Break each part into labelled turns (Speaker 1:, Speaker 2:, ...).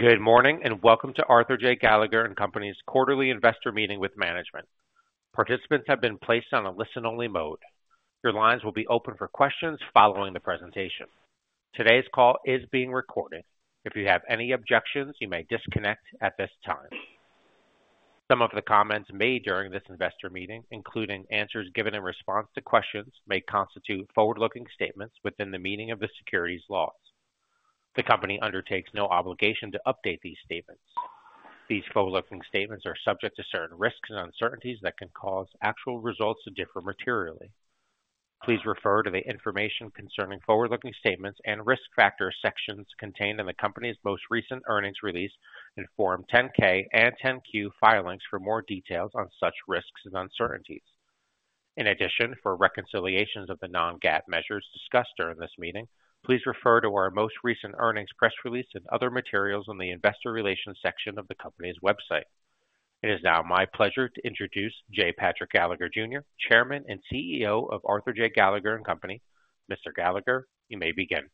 Speaker 1: Good morning, and welcome to Arthur J. Gallagher & Company's quarterly investor meeting with management. Participants have been placed on a listen-only mode. Your lines will be open for questions following the presentation. Today's call is being recorded. If you have any objections, you may disconnect at this time. Some of the comments made during this investor meeting, including answers given in response to questions, may constitute forward-looking statements within the meaning of the securities laws. The company undertakes no obligation to update these statements. These forward-looking statements are subject to certain risks and uncertainties that can cause actual results to differ materially. Please refer to the Information Concerning Forward-Looking Statements and Risk Factor sections contained in the company's most recent earnings release in Form 10-K and 10-Q filings for more details on such risks and uncertainties. In addition, for reconciliations of the non-GAAP measures discussed during this meeting, please refer to our most recent earnings press release and other materials on the investor relations section of the company's website. It is now my pleasure to introduce J. Patrick Gallagher, Jr., Chairman and CEO of Arthur J. Gallagher & Company. Mr. Gallagher, you may begin.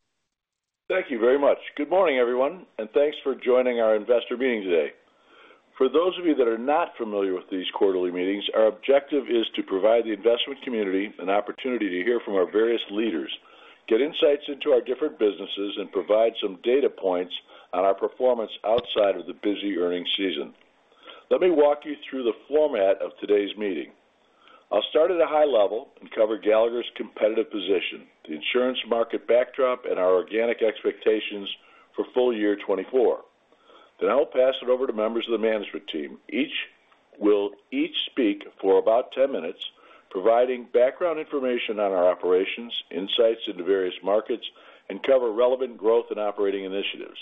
Speaker 2: Thank you very much. Good morning, everyone, and thanks for joining our investor meeting today. For those of you that are not familiar with these quarterly meetings, our objective is to provide the investment community an opportunity to hear from our various leaders, get insights into our different businesses, and provide some data points on our performance outside of the busy earnings season. Let me walk you through the format of today's meeting. I'll start at a high level and cover Gallagher's competitive position, the insurance market backdrop, and our organic expectations for full year 2024. Then I'll pass it over to members of the management team. Each will speak for about ten minutes, providing background information on our operations, insights into various markets, and cover relevant growth and operating initiatives.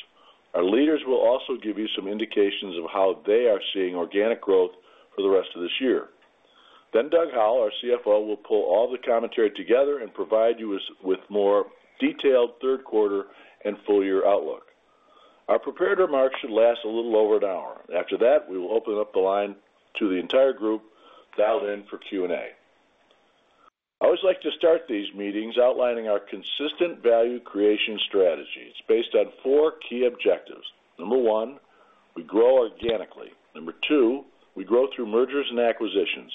Speaker 2: Our leaders will also give you some indications of how they are seeing organic growth for the rest of this year. Then Doug Howell, our CFO, will pull all the commentary together and provide you with with more detailed Q3 and full year outlook. Our prepared remarks should last a little over an hour. After that, we will open up the line to the entire group dialed in for Q&A. I always like to start these meetings outlining our consistent value creation strategies based on four key objectives. Number one, we grow organically. Number two, we grow through mergers and acquisitions.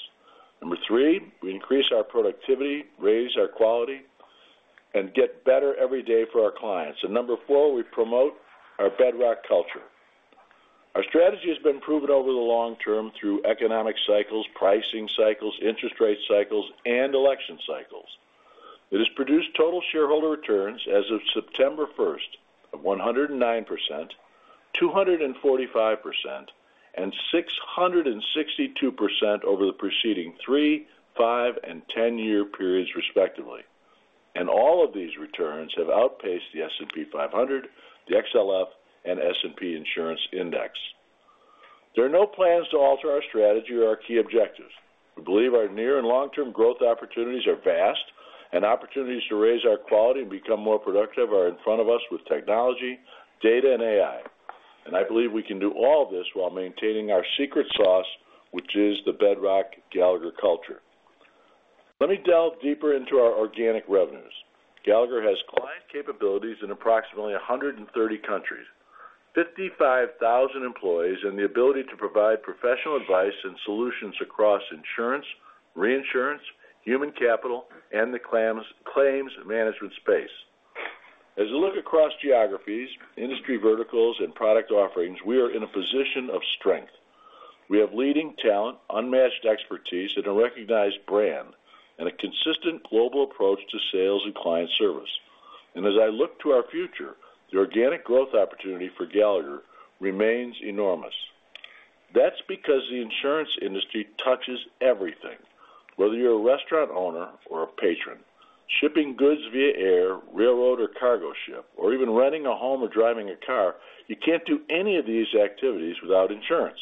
Speaker 2: Number three, we increase our productivity, raise our quality, and get better every day for our clients, and number four, we promote our bedrock culture. Our strategy has been proven over the long term through economic cycles, pricing cycles, interest rate cycles, and election cycles. It has produced total shareholder returns as of September 1 of 109%, 245%, and 662% over the preceding 3-, 5-, and 10-year periods, respectively. All of these returns have outpaced the S&P 500, the XLF, and S&P Insurance Index. There are no plans to alter our strategy or our key objectives. We believe our near- and long-term growth opportunities are vast, and opportunities to raise our quality and become more productive are in front of us with technology, data, and AI. I believe we can do all this while maintaining our secret sauce, which is the bedrock Gallagher culture. Let me delve deeper into our organic revenues. Gallagher has client capabilities in approximately 130 countries, 55,000 employees, and the ability to provide professional advice and solutions across insurance, reinsurance, human capital, and the claims management space. As you look across geographies, industry verticals, and product offerings, we are in a position of strength. We have leading talent, unmatched expertise, and a recognized brand, and a consistent global approach to sales and client service. And as I look to our future, the organic growth opportunity for Gallagher remains enormous. That's because the insurance industry touches everything. Whether you're a restaurant owner or a patron, shipping goods via air, railroad, or cargo ship, or even renting a home or driving a car, you can't do any of these activities without insurance.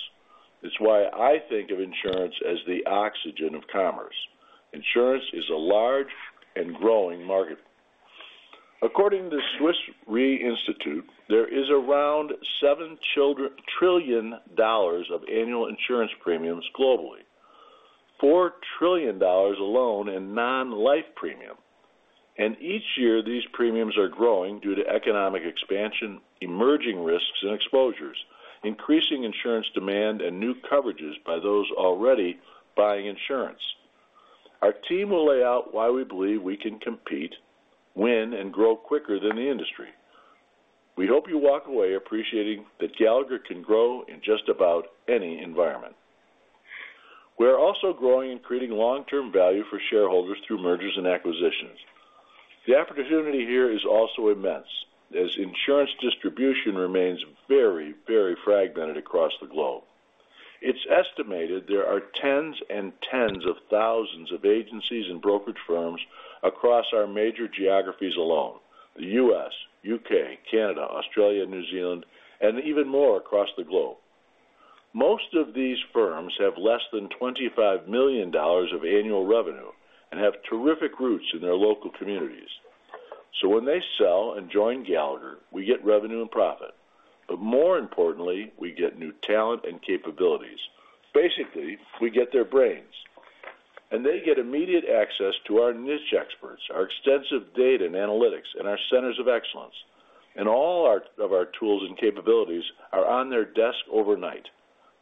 Speaker 2: It's why I think of insurance as the oxygen of commerce. Insurance is a large and growing market. According to the Swiss Re Institute, there is around seven trillion dollars of annual insurance premiums globally, $4 trillion alone in non-life premium. Each year, these premiums are growing due to economic expansion, emerging risks and exposures, increasing insurance demand, and new coverages by those already buying insurance. Our team will lay out why we believe we can compete, win, and grow quicker than the industry. We hope you walk away appreciating that Gallagher can grow in just about any environment. We are also growing and creating long-term value for shareholders through mergers and acquisitions. The opportunity here is also immense, as insurance distribution remains very, very fragmented across the globe. It's estimated there are tens and tens of thousands of agencies and brokerage firms across our major geographies alone, the U.S., U.K., Canada, Australia, New Zealand, and even more across the globe. Most of these firms have less than $25 million of annual revenue and have terrific roots in their local communities. So when they sell and join Gallagher, we get revenue and profit, but more importantly, we get new talent and capabilities. Basically, we get their brains....and they get immediate access to our niche experts, our extensive data and analytics, and our centers of excellence, and all of our tools and capabilities are on their desk overnight.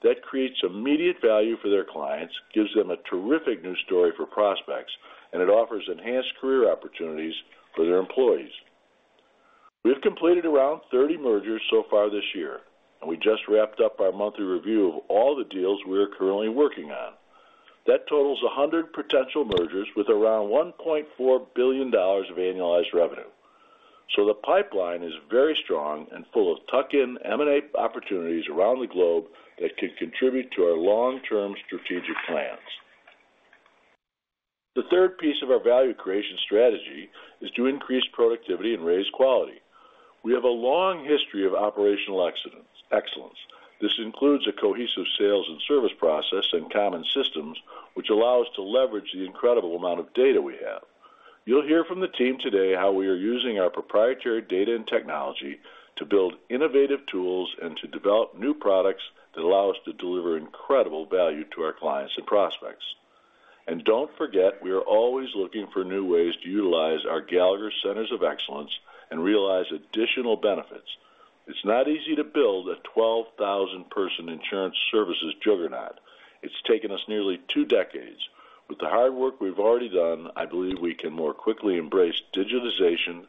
Speaker 2: That creates immediate value for their clients, gives them a terrific new story for prospects, and it offers enhanced career opportunities for their employees. We have completed around 30 mergers so far this year, and we just wrapped up our monthly review of all the deals we are currently working on. That totals 100 potential mergers with around $1.4 billion of annualized revenue. The pipeline is very strong and full of tuck-in M&A opportunities around the globe that can contribute to our long-term strategic plans. The third piece of our value creation strategy is to increase productivity and raise quality. We have a long history of operational excellence. This includes a cohesive sales and service process and common systems, which allow us to leverage the incredible amount of data we have. You'll hear from the team today how we are using our proprietary data and technology to build innovative tools and to develop new products that allow us to deliver incredible value to our clients and prospects. Don't forget, we are always looking for new ways to utilize our Gallagher Centers of Excellence and realize additional benefits. It's not easy to build a 12,000-person insurance services juggernaut. It's taken us nearly two decades. With the hard work we've already done, I believe we can more quickly embrace digitization,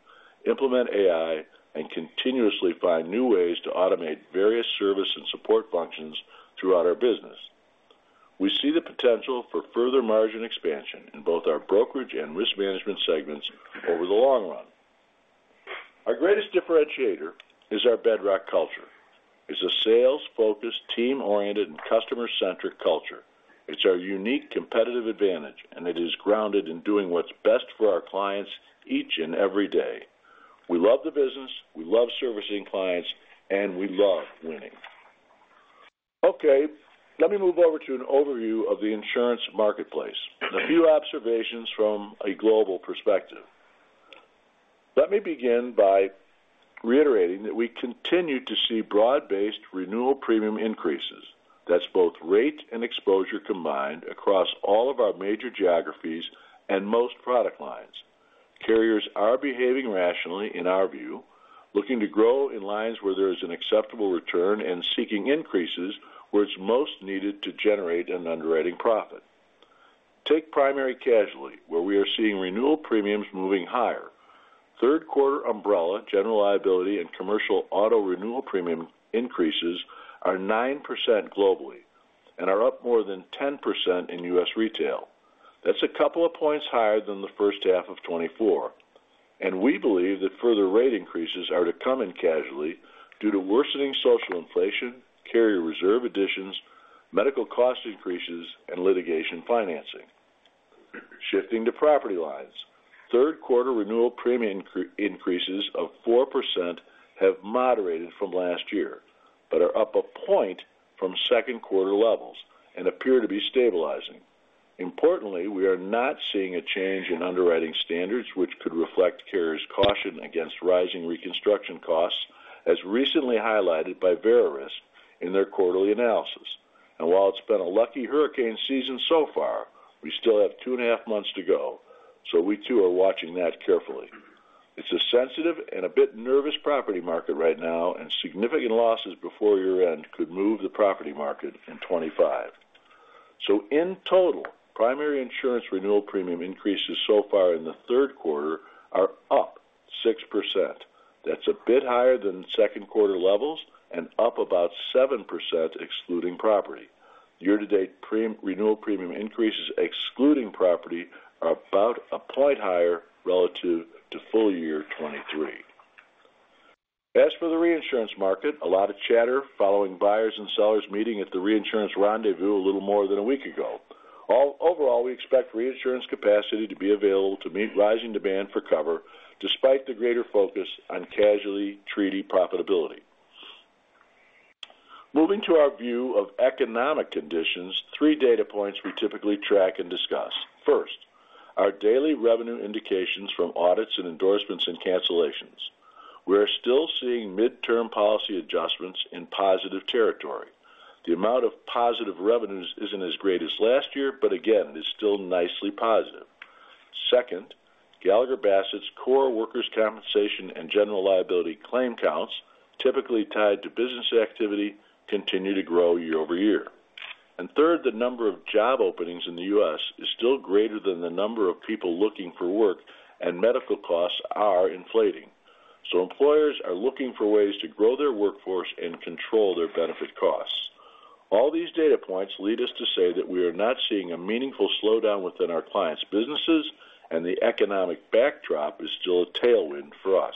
Speaker 2: implement AI, and continuously find new ways to automate various service and support functions throughout our business. We see the potential for further margin expansion in both our brokerage and risk management segments over the long run. Our greatest differentiator is our bedrock culture. It's a sales-focused, team-oriented, and customer-centric culture. It's our unique competitive advantage, and it is grounded in doing what's best for our clients each and every day. We love the business, we love servicing clients, and we love winning. Okay, let me move over to an overview of the insurance marketplace and a few observations from a global perspective. Let me begin by reiterating that we continue to see broad-based renewal premium increases. That's both rate and exposure combined across all of our major geographies and most product lines. Carriers are behaving rationally, in our view, looking to grow in lines where there is an acceptable return and seeking increases where it's most needed to generate an underwriting profit. Take primary casualty, where we are seeing renewal premiums moving higher. Q3 umbrella, general liability, and commercial auto renewal premium increases are 9% globally and are up more than 10% in U.S. retail. That's a couple of points higher than the first half of 2024, and we believe that further rate increases are to come in casualty due to worsening social inflation, carrier reserve additions, medical cost increases, and litigation financing. Shifting to property lines, Q3 renewal premium increases of 4% have moderated from last year, but are up a point from Q2 levels and appear to be stabilizing. Importantly, we are not seeing a change in underwriting standards, which could reflect carriers' caution against rising reconstruction costs, as recently highlighted by Verisk in their quarterly analysis. And while it's been a lucky hurricane season so far, we still have two and a half months to go, so we, too, are watching that carefully. It's a sensitive and a bit nervous property market right now, and significant losses before year-end could move the property market in 2025. So in total, primary insurance renewal premium increases so far in the Q3 are up 6%. That's a bit higher than Q2 levels and up about 7% excluding property. Year-to-date renewal premium increases, excluding property, are about a point higher relative to full year 2023. As for the reinsurance market, a lot of chatter following buyers and sellers meeting at the Reinsurance Rendez-CEO, U.S. Retail Property & Casualty Brokerageous a little more than a week ago. Overall, we expect reinsurance capacity to be available to meet rising demand for cover, despite the greater focus on casualty treaty profitability. Moving to our view of economic conditions, three data points we typically track and discuss. First, our daily revenue indications from audits and endorsements and cancellations. We are still seeing midterm policy adjustments in positive territory. The amount of positive revenues isn't as great as last year, but again, is still nicely positive. Second, Gallagher Bassett's core workers' compensation and general liability claim counts, typically tied to business activity, continue to grow year over year. Third, the number of job openings in the U.S. is still greater than the number of people looking for work, and medical costs are inflating. So employers are looking for ways to grow their workforce and control their benefit costs. All these data points lead us to say that we are not seeing a meaningful slowdown within our clients' businesses, and the economic backdrop is still a tailwind for us.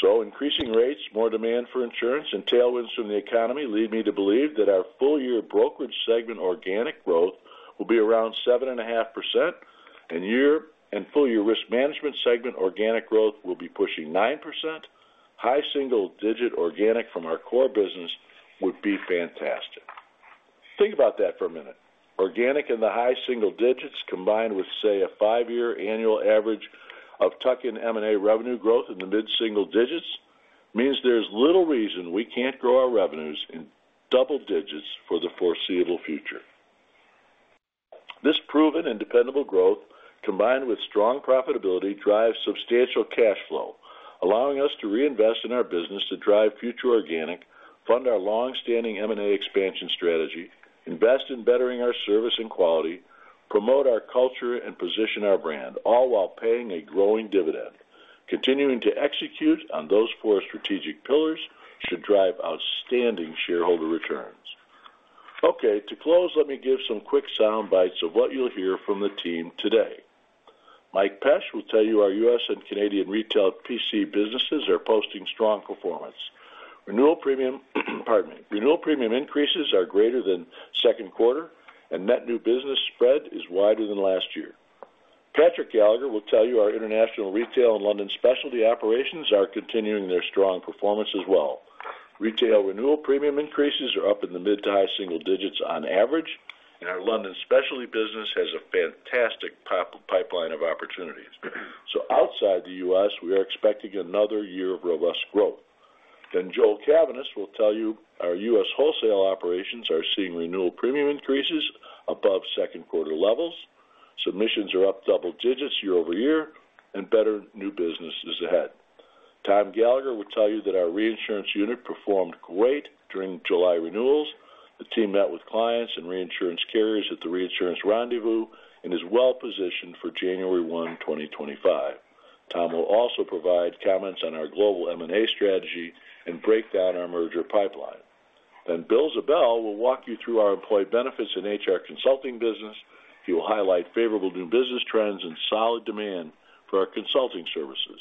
Speaker 2: So increasing rates, more demand for insurance, and tailwinds from the economy lead me to believe that our full-year brokerage segment organic growth will be around 7.5%, and full-year risk management segment organic growth will be pushing 9%. High single digit organic from our core business would be fantastic. Think about that for a minute. Organic in the high single digits combined with, say, a five-year annual average of tuck-in M&A revenue growth in the mid-single digits... means there's little reason we can't grow our revenues in double digits for the foreseeable future. This proven and dependable growth, combined with strong profitability, drives substantial cash flow, allowing us to reinvest in our business to drive future organic, fund our long-standing M&A expansion strategy, invest in bettering our service and quality, promote our culture, and position our brand, all while paying a growing dividend. Continuing to execute on those four strategic pillars should drive outstanding shareholder returns. Okay, to close, let me give some quick soundbites of what you'll hear from the team today. Mike Pesch will tell you our U.S. and Canadian retail PC businesses are posting strong performance. Renewal premium, pardon me. Renewal premium increases are greater than Q2, and net new business spread is wider than last year. Patrick Gallagher will tell you our international retail and London specialty operations are continuing their strong performance as well. Retail renewal premium increases are up in the mid to high single digits on average, and our London specialty business has a fantastic pipeline of opportunities. So outside the U.S., we are expecting another year of robust growth. Then Joel Cavaness will tell you our U.S. wholesale operations are seeing renewal premium increases above Q2 levels. Submissions are up double digits year over year, and better new business is ahead. Tom Gallagher will tell you that our reinsurance unit performed great during July renewals. The team met with clients and reinsurance carriers at the Reinsurance Rendezvous and is well positioned for January one, twenty twenty-five. Tom will also provide comments on our global M&A strategy and break down our merger pipeline. Then Bill Ziebell will walk you through our employee benefits and HR consulting business. He will highlight favorable new business trends and solid demand for our consulting services.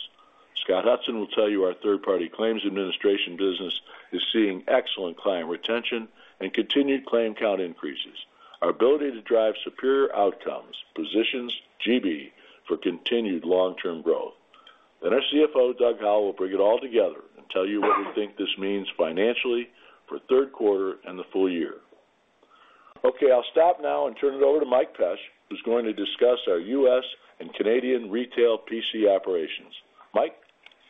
Speaker 2: Scott Hudson will tell you our third-party claims administration business is seeing excellent client retention and continued claim count increases. Our ability to drive superior outcomes positions GB for continued long-term growth. Then our CFO, Doug Howell, will bring it all together and tell you what we think this means financially for Q3 and the full year. Okay, I'll stop now and turn it over to Mike Pesch, who's going to discuss our U.S. and Canadian retail PC operations. Mike?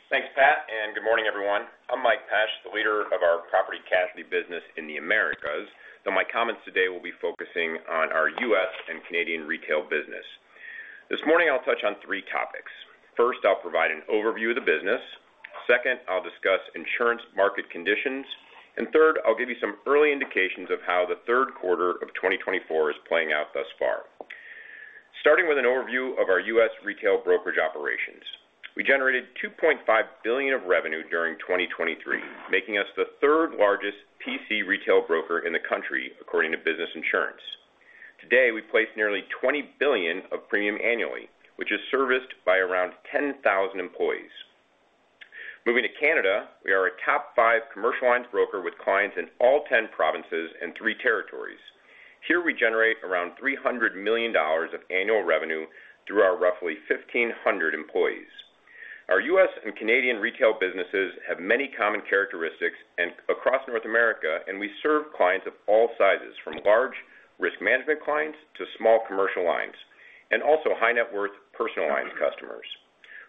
Speaker 3: Thanks, Pat, and good morning, everyone. I'm Mike Pesch, the leader of our property casualty business in the Americas. My comments today will be focusing on our U.S. and Canadian retail business. This morning, I'll touch on three topics. First, I'll provide an overview of the business. Second, I'll discuss insurance market conditions. And third, I'll give you some early indications of how the Q3 of twenty twenty-four is playing out thus far. Starting with an overview of our U.S. retail brokerage operations, we generated $2.5 billion of revenue during 2023, making us the third largest PC retail broker in the country, according to Business Insurance. Today, we place nearly $20 billion of premium annually, which is serviced by around 10,000 employees. Moving to Canada, we are a top 5 commercial lines broker with clients in all 10 provinces and 3 territories. Here, we generate around $300 million of annual revenue through our roughly 1,500 employees. Our U.S. and Canadian retail businesses have many common characteristics and across North America, and we serve clients of all sizes, from large risk management clients to small commercial lines, and also high net worth personalized customers.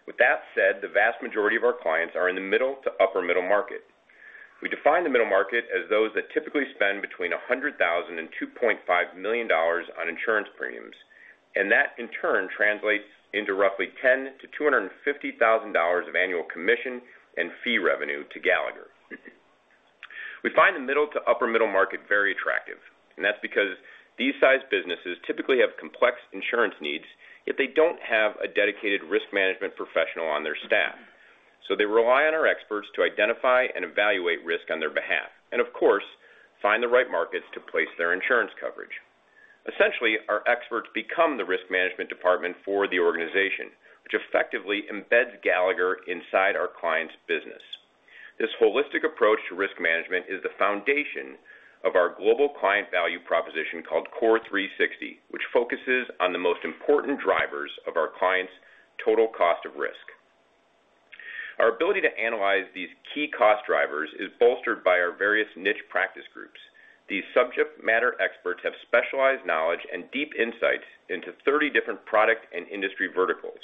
Speaker 3: With that said, the vast majority of our clients are in the middle to upper middle market. We define the middle market as those that typically spend between $100,000 and $2.5 million on insurance premiums, and that, in turn, translates into roughly $10,000-$250,000 of annual commission and fee revenue to Gallagher. We find the middle to upper middle market very attractive, and that's because these size businesses typically have complex insurance needs, yet they don't have a dedicated risk management professional on their staff. So they rely on our experts to identify and evaluate risk on their behalf, and of course, find the right markets to place their insurance coverage. Essentially, our experts become the risk management department for the organization, which effectively embeds Gallagher inside our client's business. This holistic approach to risk management is the foundation of our global client value proposition, called CORE360, which focuses on the most important drivers of our clients' total cost of risk. Our ability to analyze these key cost drivers is bolstered by our various niche practice groups. These subject matter experts have specialized knowledge and deep insights into 30 different product and industry verticals.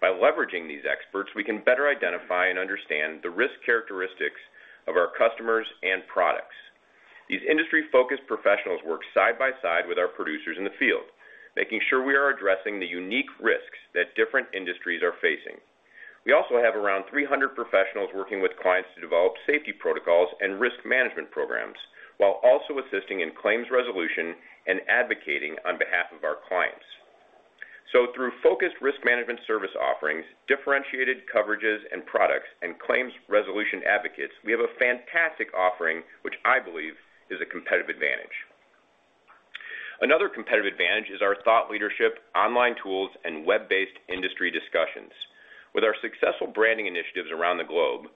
Speaker 3: By leveraging these experts, we can better identify and understand the risk characteristics of our customers and products. These industry-focused professionals work side by side with our producers in the field, making sure we are addressing the unique risks that different industries are facing. We also have around 300 professionals working with clients to develop safety protocols and risk management programs, while also assisting in claims resolution and advocating on behalf of our clients. So through focused risk management service offerings, differentiated coverages and products, and claims resolution advocates, we have a fantastic offering, which I believe is a competitive advantage. Another competitive advantage is our thought leadership, online tools, and web-based industry discussions. With our successful branding initiatives around the globe,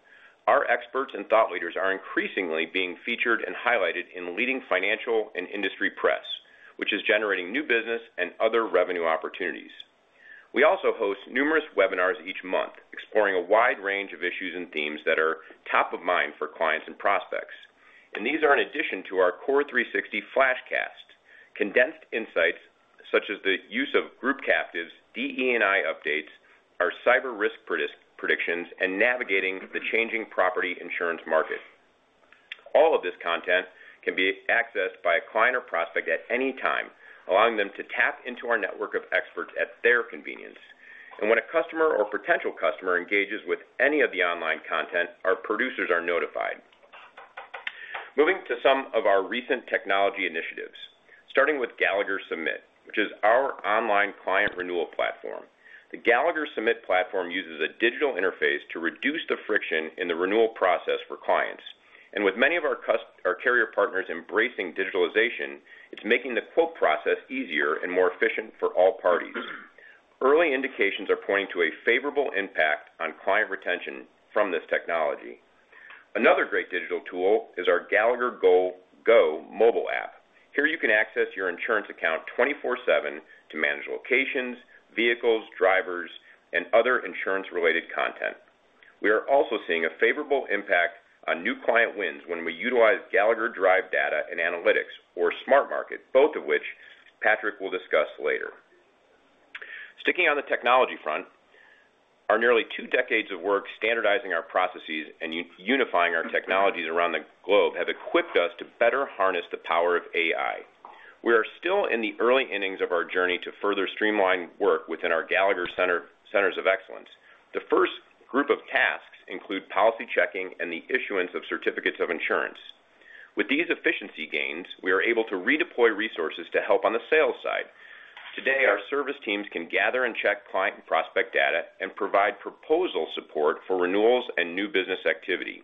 Speaker 3: our experts and thought leaders are increasingly being featured and highlighted in leading financial and industry press, which is generating new business and other revenue opportunities. We also host numerous webinars each month, exploring a wide range of issues and themes that are top of mind for clients and prospects... and these are in addition to our CORE360 Flashcast, condensed insights, such as the use of group captives, DE&I updates, our cyber risk predictions, and navigating the changing property insurance market. All of this content can be accessed by a client or prospect at any time, allowing them to tap into our network of experts at their convenience, and when a customer or potential customer engages with any of the online content, our producers are notified. Moving to some of our recent technology initiatives, starting with Gallagher Submit, which is our online client renewal platform. The Gallagher Submit platform uses a digital interface to reduce the friction in the renewal process for clients. And with many of our our carrier partners embracing digitalization, it's making the quote process easier and more efficient for all parties. Early indications are pointing to a favorable impact on client retention from this technology. Another great digital tool is our Gallagher Go mobile app. Here, you can access your insurance account twenty-four/seven to manage locations, vehicles, drivers, and other insurance-related content. We are also seeing a favorable impact on new client wins when we utilize Gallagher Drive data and analytics, or SmartMarket, both of which Patrick will discuss later. Sticking on the technology front, our nearly two decades of work standardizing our processes and unifying our technologies around the globe have equipped us to better harness the power of AI. We are still in the early innings of our journey to further streamline work within our Gallagher Centers of Excellence. The first group of tasks include policy checking and the issuance of certificates of insurance. With these efficiency gains, we are able to redeploy resources to help on the sales side. Today, our service teams can gather and check client and prospect data and provide proposal support for renewals and new business activity.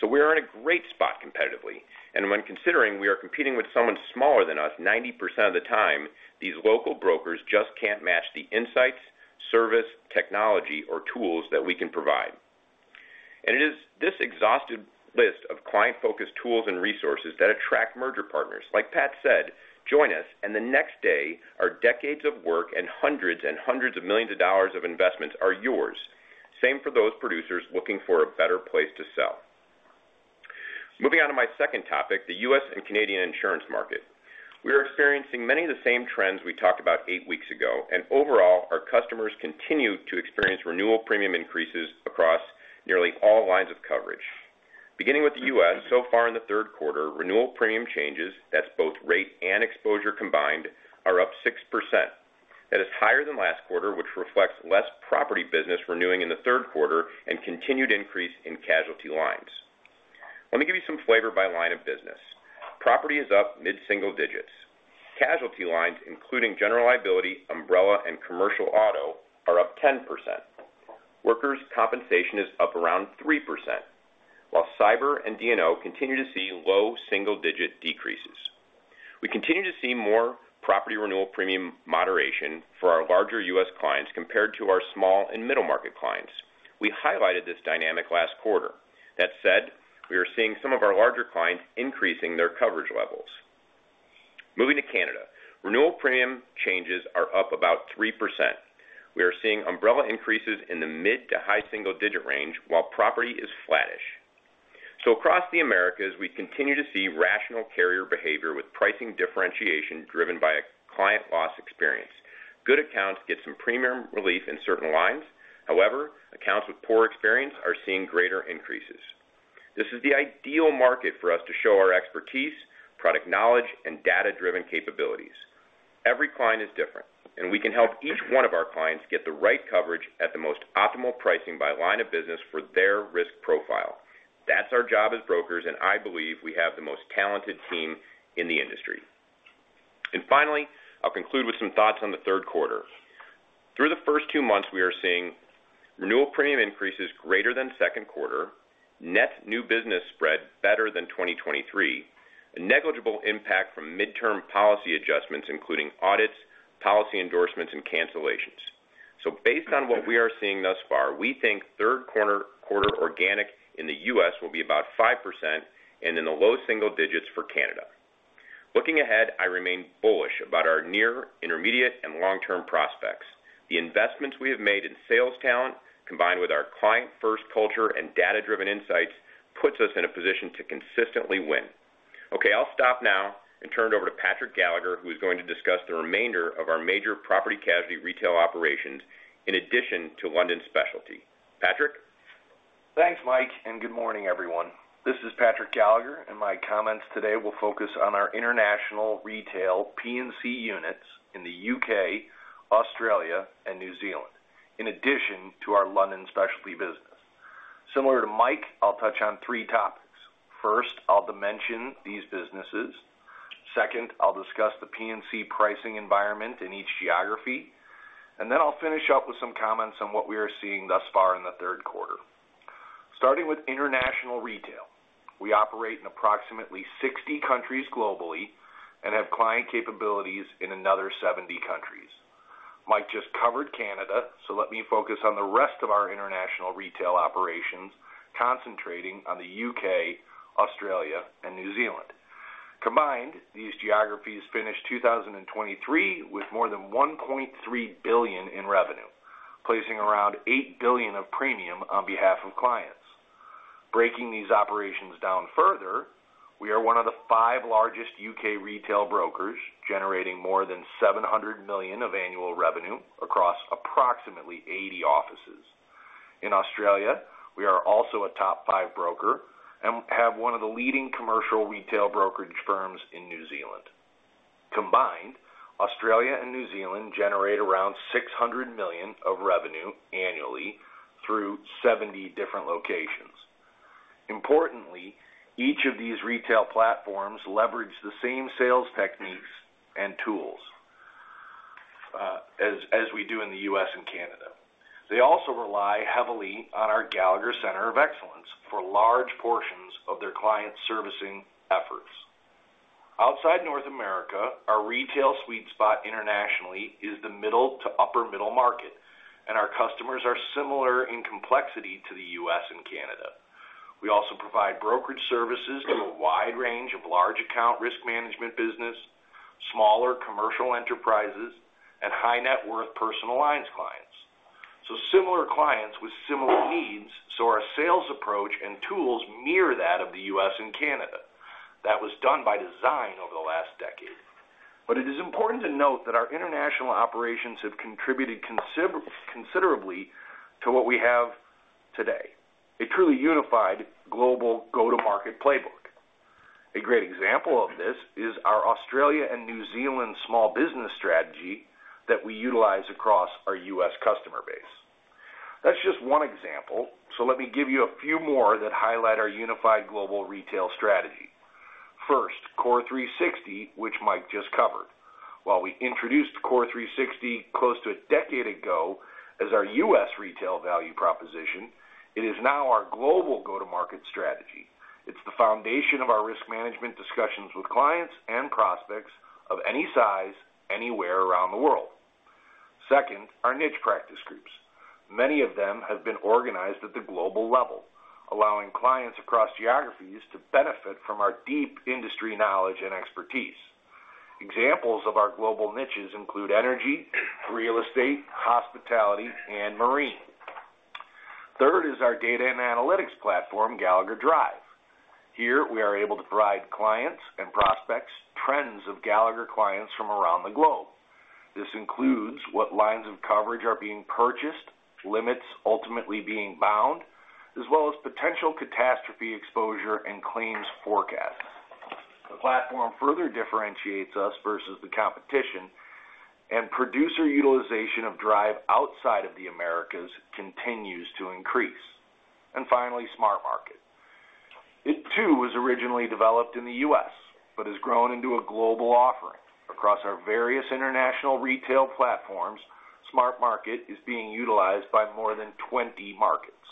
Speaker 3: So we are in a great spot competitively, and when considering we are competing with someone smaller than us, 90% of the time, these local brokers just can't match the insights, service, technology, or tools that we can provide. And it is this exhaustive list of client-focused tools and resources that attract merger partners. Like Pat said, join us, and the next day, our decades of work and hundreds and hundreds of millions of dollars of investments are yours. Same for those producers looking for a better place to sell. Moving on to my second topic, the U.S. and Canadian insurance market. We are experiencing many of the same trends we talked about eight weeks ago, and overall, our customers continue to experience renewal premium increases across nearly all lines of coverage. Beginning with the U.S., so far in the Q3, renewal premium changes, that's both rate and exposure combined, are up 6%. That is higher than last quarter, which reflects less property business renewing in the Q3 and continued increase in casualty lines. Let me give you some flavor by line of business. Property is up mid-single digits. Casualty lines, including general liability, umbrella, and commercial auto, are up 10%. Workers' compensation is up around 3%, while cyber and D&O continue to see low single-digit decreases. We continue to see more property renewal premium moderation for our larger US clients compared to our small and middle-market clients. We highlighted this dynamic last quarter. That said, we are seeing some of our larger clients increasing their coverage levels. Moving to Canada, renewal premium changes are up about 3%. We are seeing umbrella increases in the mid to high single-digit range, while property is flattish. So across the Americas, we continue to see rational carrier behavior with pricing differentiation driven by a client loss experience. Good accounts get some premium relief in certain lines. However, accounts with poor experience are seeing greater increases. This is the ideal market for us to show our expertise, product knowledge, and data-driven capabilities. Every client is different, and we can help each one of our clients get the right coverage at the most optimal pricing by line of business for their risk profile. That's our job as brokers, and I believe we have the most talented team in the industry. And finally, I'll conclude with some thoughts on the Q3. Through the first two months, we are seeing renewal premium increases greater than Q2, net new business spread better than 2023, a negligible impact from midterm policy adjustments, including audits, policy endorsements, and cancellations. So based on what we are seeing thus far, we think Q3 organic in the U.S. will be about 5% and in the low single digits for Canada. Looking ahead, I remain bullish about our near, intermediate, and long-term prospects. The investments we have made in sales talent, combined with our client-first culture and data-driven insights, puts us in a position to consistently win. Okay, I'll stop now and turn it over to Patrick Gallagher, who is going to discuss the remainder of our major property casualty retail operations, in addition to London Specialty. Patrick? Thanks, Mike, and good morning, everyone. This is Patrick Gallagher, and my comments today will focus on our international retail P&C units in the U.K., Australia, and New Zealand, in addition to our London specialty business. Similar to Mike, I'll touch on three topics. First, I'll dimension these businesses. Second, I'll discuss the P&C pricing environment in each geography, and then I'll finish up with some comments on what we are seeing thus far in the Q3. Starting with international retail, we operate in approximately 60 countries globally and have client capabilities in another 70 countries. Mike just covered Canada, so let me focus on the rest of our international retail operations, concentrating on the U.K., Australia, and New Zealand.... Combined, these geographies finished 2023 with more than $1.3 billion in revenue, placing around $8 billion of premium on behalf of clients. Breaking these operations down further, we are one of the five largest U.K. retail brokers, generating more than $700 million of annual revenue across approximately 80 offices. In Australia, we are also a top five broker and have one of the leading commercial retail brokerage firms in New Zealand. Combined, Australia and New Zealand generate around $600 million of revenue annually through 70 different locations. Importantly, each of these retail platforms leverage the same sales techniques and tools, as we do in the U.S. and Canada. They also rely heavily on our Gallagher Center of Excellence for large portions of their client servicing efforts. Outside North America, our retail sweet spot internationally is the middle to upper middle market, and our customers are similar in complexity to the U.S. and Canada. We also provide brokerage services to a wide range of large account risk management business, smaller commercial enterprises, and high net worth personal alliance clients. So similar clients with similar needs, so our sales approach and tools mirror that of the U.S. and Canada. That was done by design over the last decade. But it is important to note that our international operations have contributed considerably to what we have today, a truly unified global go-to-market playbook. A great example of this is our Australia and New Zealand small business strategy that we utilize across our U.S. customer base. That's just one example, so let me give you a few more that highlight our unified global retail strategy. First, CORE360, which Mike just covered. While we introduced CORE360 close to a decade ago as our U.S. retail value proposition, it is now our global go-to-market strategy. It's the foundation of our risk management discussions with clients and prospects of any size, anywhere around the world. Second, our niche practice groups. Many of them have been organized at the global level, allowing clients across geographies to benefit from our deep industry knowledge and expertise. Examples of our global niches include energy, real estate, hospitality, and marine. Third is our data and analytics platform, Gallagher Drive. Here, we are able to provide clients and prospects trends of Gallagher clients from around the globe. This includes what lines of coverage are being purchased, limits ultimately being bound, as well as potential catastrophe exposure and claims forecasts. The platform further differentiates us versus the competition, and producer utilization of Drive outside of the Americas continues to increase, and finally, SmartMarket. It, too, was originally developed in the U.S., but has grown into a global offering. Across our various international retail platforms, SmartMarket is being utilized by more than 20 markets,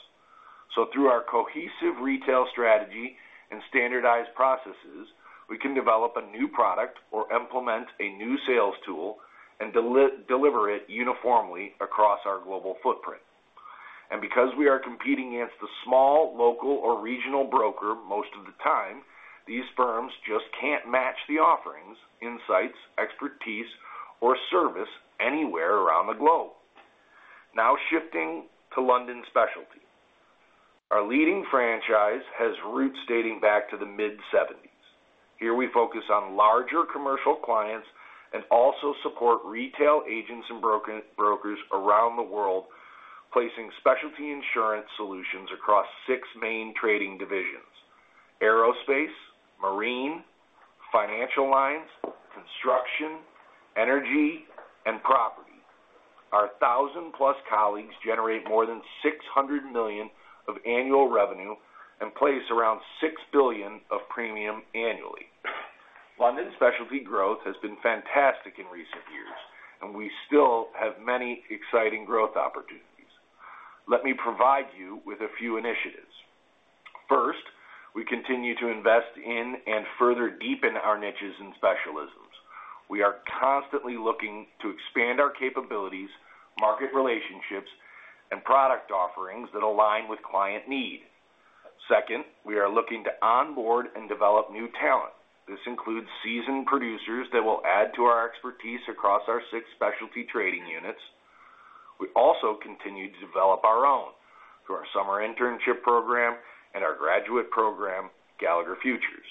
Speaker 3: so through our cohesive retail strategy and standardized processes, we can develop a new product or implement a new sales tool and deliver it uniformly across our global footprint. And because we are competing against the small, local, or regional broker, most of the time, these firms just can't match the offerings, insights, expertise, or service anywhere around the globe. Now, shifting to London Specialty. Our leading franchise has roots dating back to the mid-1970s. Here, we focus on larger commercial clients and also support retail agents and brokers around the world, placing specialty insurance solutions across six main trading divisions: aerospace, marine, financial lines, construction, energy, and property. Our 1,000-plus colleagues generate more than $600 million of annual revenue and place around $6 billion of premium annually. London Specialty growth has been fantastic in recent years, and we still have many exciting growth opportunities. Let me provide you with a few initiatives. First, we continue to invest in and further deepen our niches and specialisms. We are constantly looking to expand our capabilities, market relationships, and product offerings that align with client need. Second, we are looking to onboard and develop new talent. This includes seasoned producers that will add to our expertise across our six specialty trading units. We also continue to develop our own through our summer internship program and our graduate program, Gallagher Futures.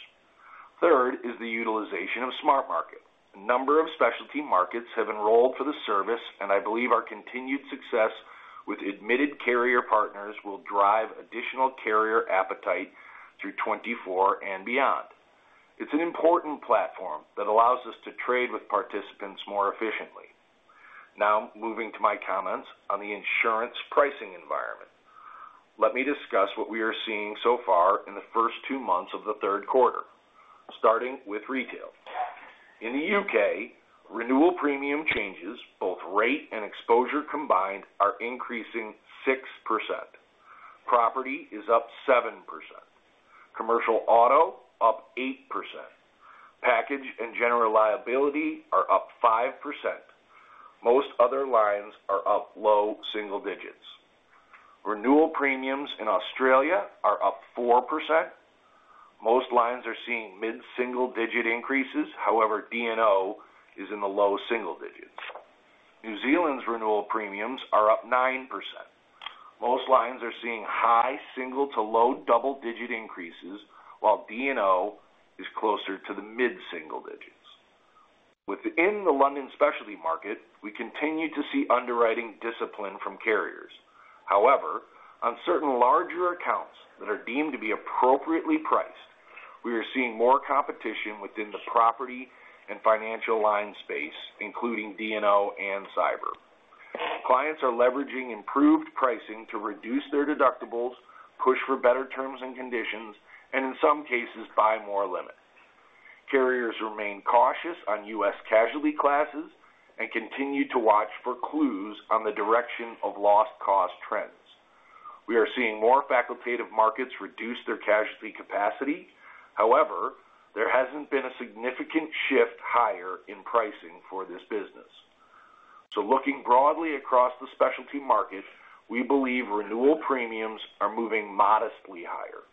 Speaker 3: Third is the utilization of SmartMarket. A number of specialty markets have enrolled for the service, and I believe our continued success with admitted carrier partners will drive additional carrier appetite through 2024 and beyond. It's an important platform that allows us to trade with participants more efficiently. Now, moving to my comments on the insurance pricing environment. Let me discuss what we are seeing so far in the first two months of the Q3, starting with retail. In the U.K., renewal premium changes, both rate and exposure combined, are increasing 6%. Property is up 7%, commercial auto up 8%. Package and general liability are up 5%. Most other lines are up low single digits. Renewal premiums in Australia are up 4%. Most lines are seeing mid-single digit increases. However, D&O is in the low single digits. New Zealand's renewal premiums are up 9%. Most lines are seeing high single to low double-digit increases, while D&O is closer to the mid-single digits. Within the London specialty market, we continue to see underwriting discipline from carriers. However, on certain larger accounts that are deemed to be appropriately priced, we are seeing more competition within the property and financial line space, including D&O and cyber. Clients are leveraging improved pricing to reduce their deductibles, push for better terms and conditions, and in some cases, buy more limits. Carriers remain cautious on U.S. casualty classes and continue to watch for clues on the direction of loss cost trends. We are seeing more facultative markets reduce their casualty capacity. However, there hasn't been a significant shift higher in pricing for this business.
Speaker 2: So looking broadly across the specialty market, we believe renewal premiums are moving modestly higher.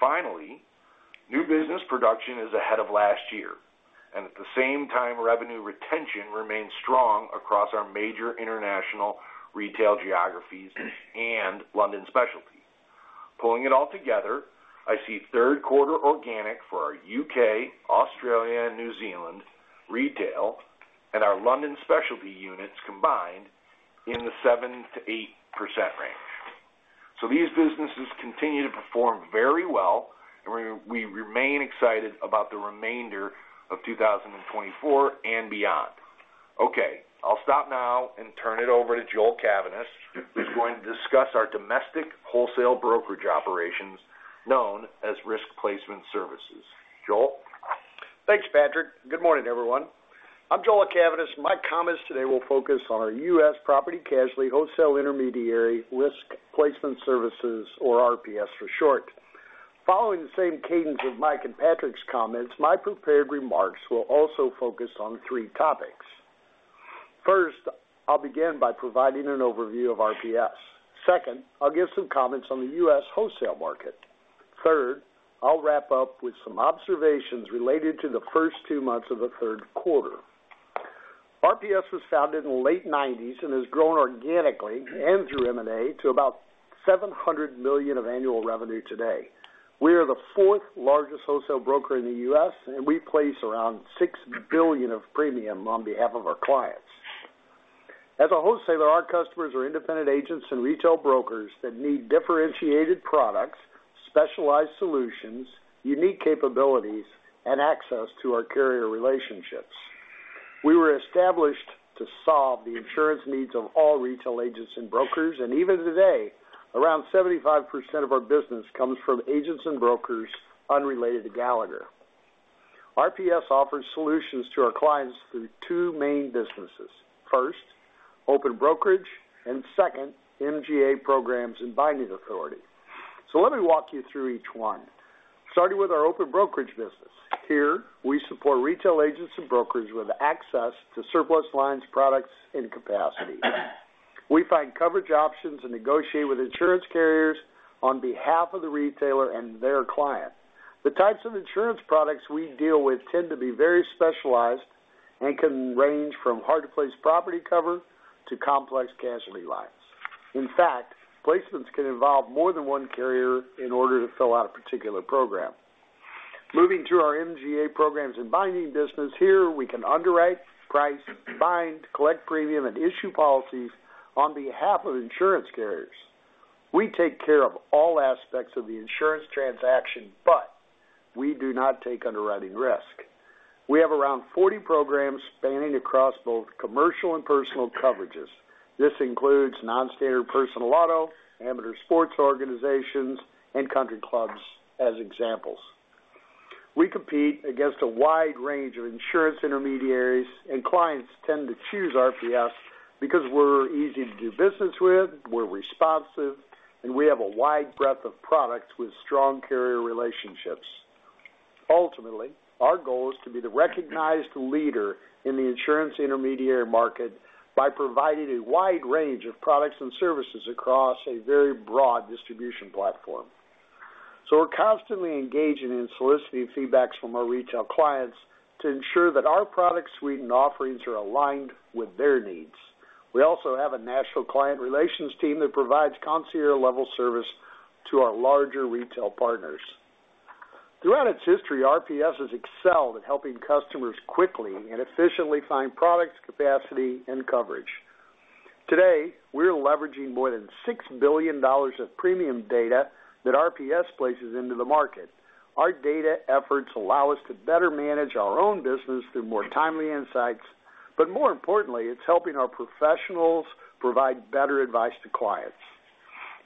Speaker 2: Finally, new business production is ahead of last year, and at the same time, revenue retention remains strong across our major international retail geographies and London specialty. Pulling it all together, I see Q3 organic for our UK, Australia, and New Zealand retail, and our London specialty units combined in the 7%-8% range. So these businesses continue to perform very well, and we remain excited about the remainder of 2024 and beyond. Okay, I'll stop now and turn it over to Joel Cavaness, who's going to discuss our domestic wholesale brokerage operations, known as Risk Placement Services. Joel?
Speaker 4: Thanks, Patrick. Good morning, everyone. I'm Joel Cavaness, and my comments today will focus on our U.S. property casualty, wholesale intermediary, Risk Placement Services, or RPS for short. Following the same cadence of Mike and Patrick's comments, my prepared remarks will also focus on three topics. First, I'll begin by providing an overview of RPS. Second, I'll give some comments on the U.S. wholesale market. Third, I'll wrap up with some observations related to the first two months of the Q3. RPS was founded in the late nineties and has grown organically and through M&A to about $700 million of annual revenue today. We are the fourth largest wholesale broker in the U.S., and we place around $6 billion of premium on behalf of our clients. As a wholesaler, our customers are independent agents and retail brokers that need differentiated products, specialized solutions, unique capabilities, and access to our carrier relationships. We were established to solve the insurance needs of all retail agents and brokers, and even today, around 75% of our business comes from agents and brokers unrelated to Gallagher. RPS offers solutions to our clients through two main businesses. First, open brokerage, and second, MGA programs and binding authority. So let me walk you through each one, starting with our open brokerage business. Here, we support retail agents and brokers with access to surplus lines, products, and capacity. We find coverage options and negotiate with insurance carriers on behalf of the retailer and their client. The types of insurance products we deal with tend to be very specialized and can range from hard-to-place property cover to complex casualty lines. In fact, placements can involve more than one carrier in order to fill out a particular program. Moving to our MGA programs and binding business, here, we can underwrite, price, bind, collect premium, and issue policies on behalf of insurance carriers. We take care of all aspects of the insurance transaction, but we do not take underwriting risk. We have around 40 programs spanning across both commercial and personal coverages. This includes non-standard personal auto, amateur sports organizations, and country clubs as examples. We compete against a wide range of insurance intermediaries, and clients tend to choose RPS because we're easy to do business with, we're responsive, and we have a wide breadth of products with strong carrier relationships. Ultimately, our goal is to be the recognized leader in the insurance intermediary market by providing a wide range of products and services across a very broad distribution platform. We're constantly engaging in soliciting feedbacks from our retail clients to ensure that our product suite and offerings are aligned with their needs. We also have a national client relations team that provides concierge-level service to our larger retail partners. Throughout its history, RPS has excelled at helping customers quickly and efficiently find products, capacity, and coverage. Today, we're leveraging more than $6 billion of premium data that RPS places into the market. Our data efforts allow us to better manage our own business through more timely insights, but more importantly, it's helping our professionals provide better advice to clients.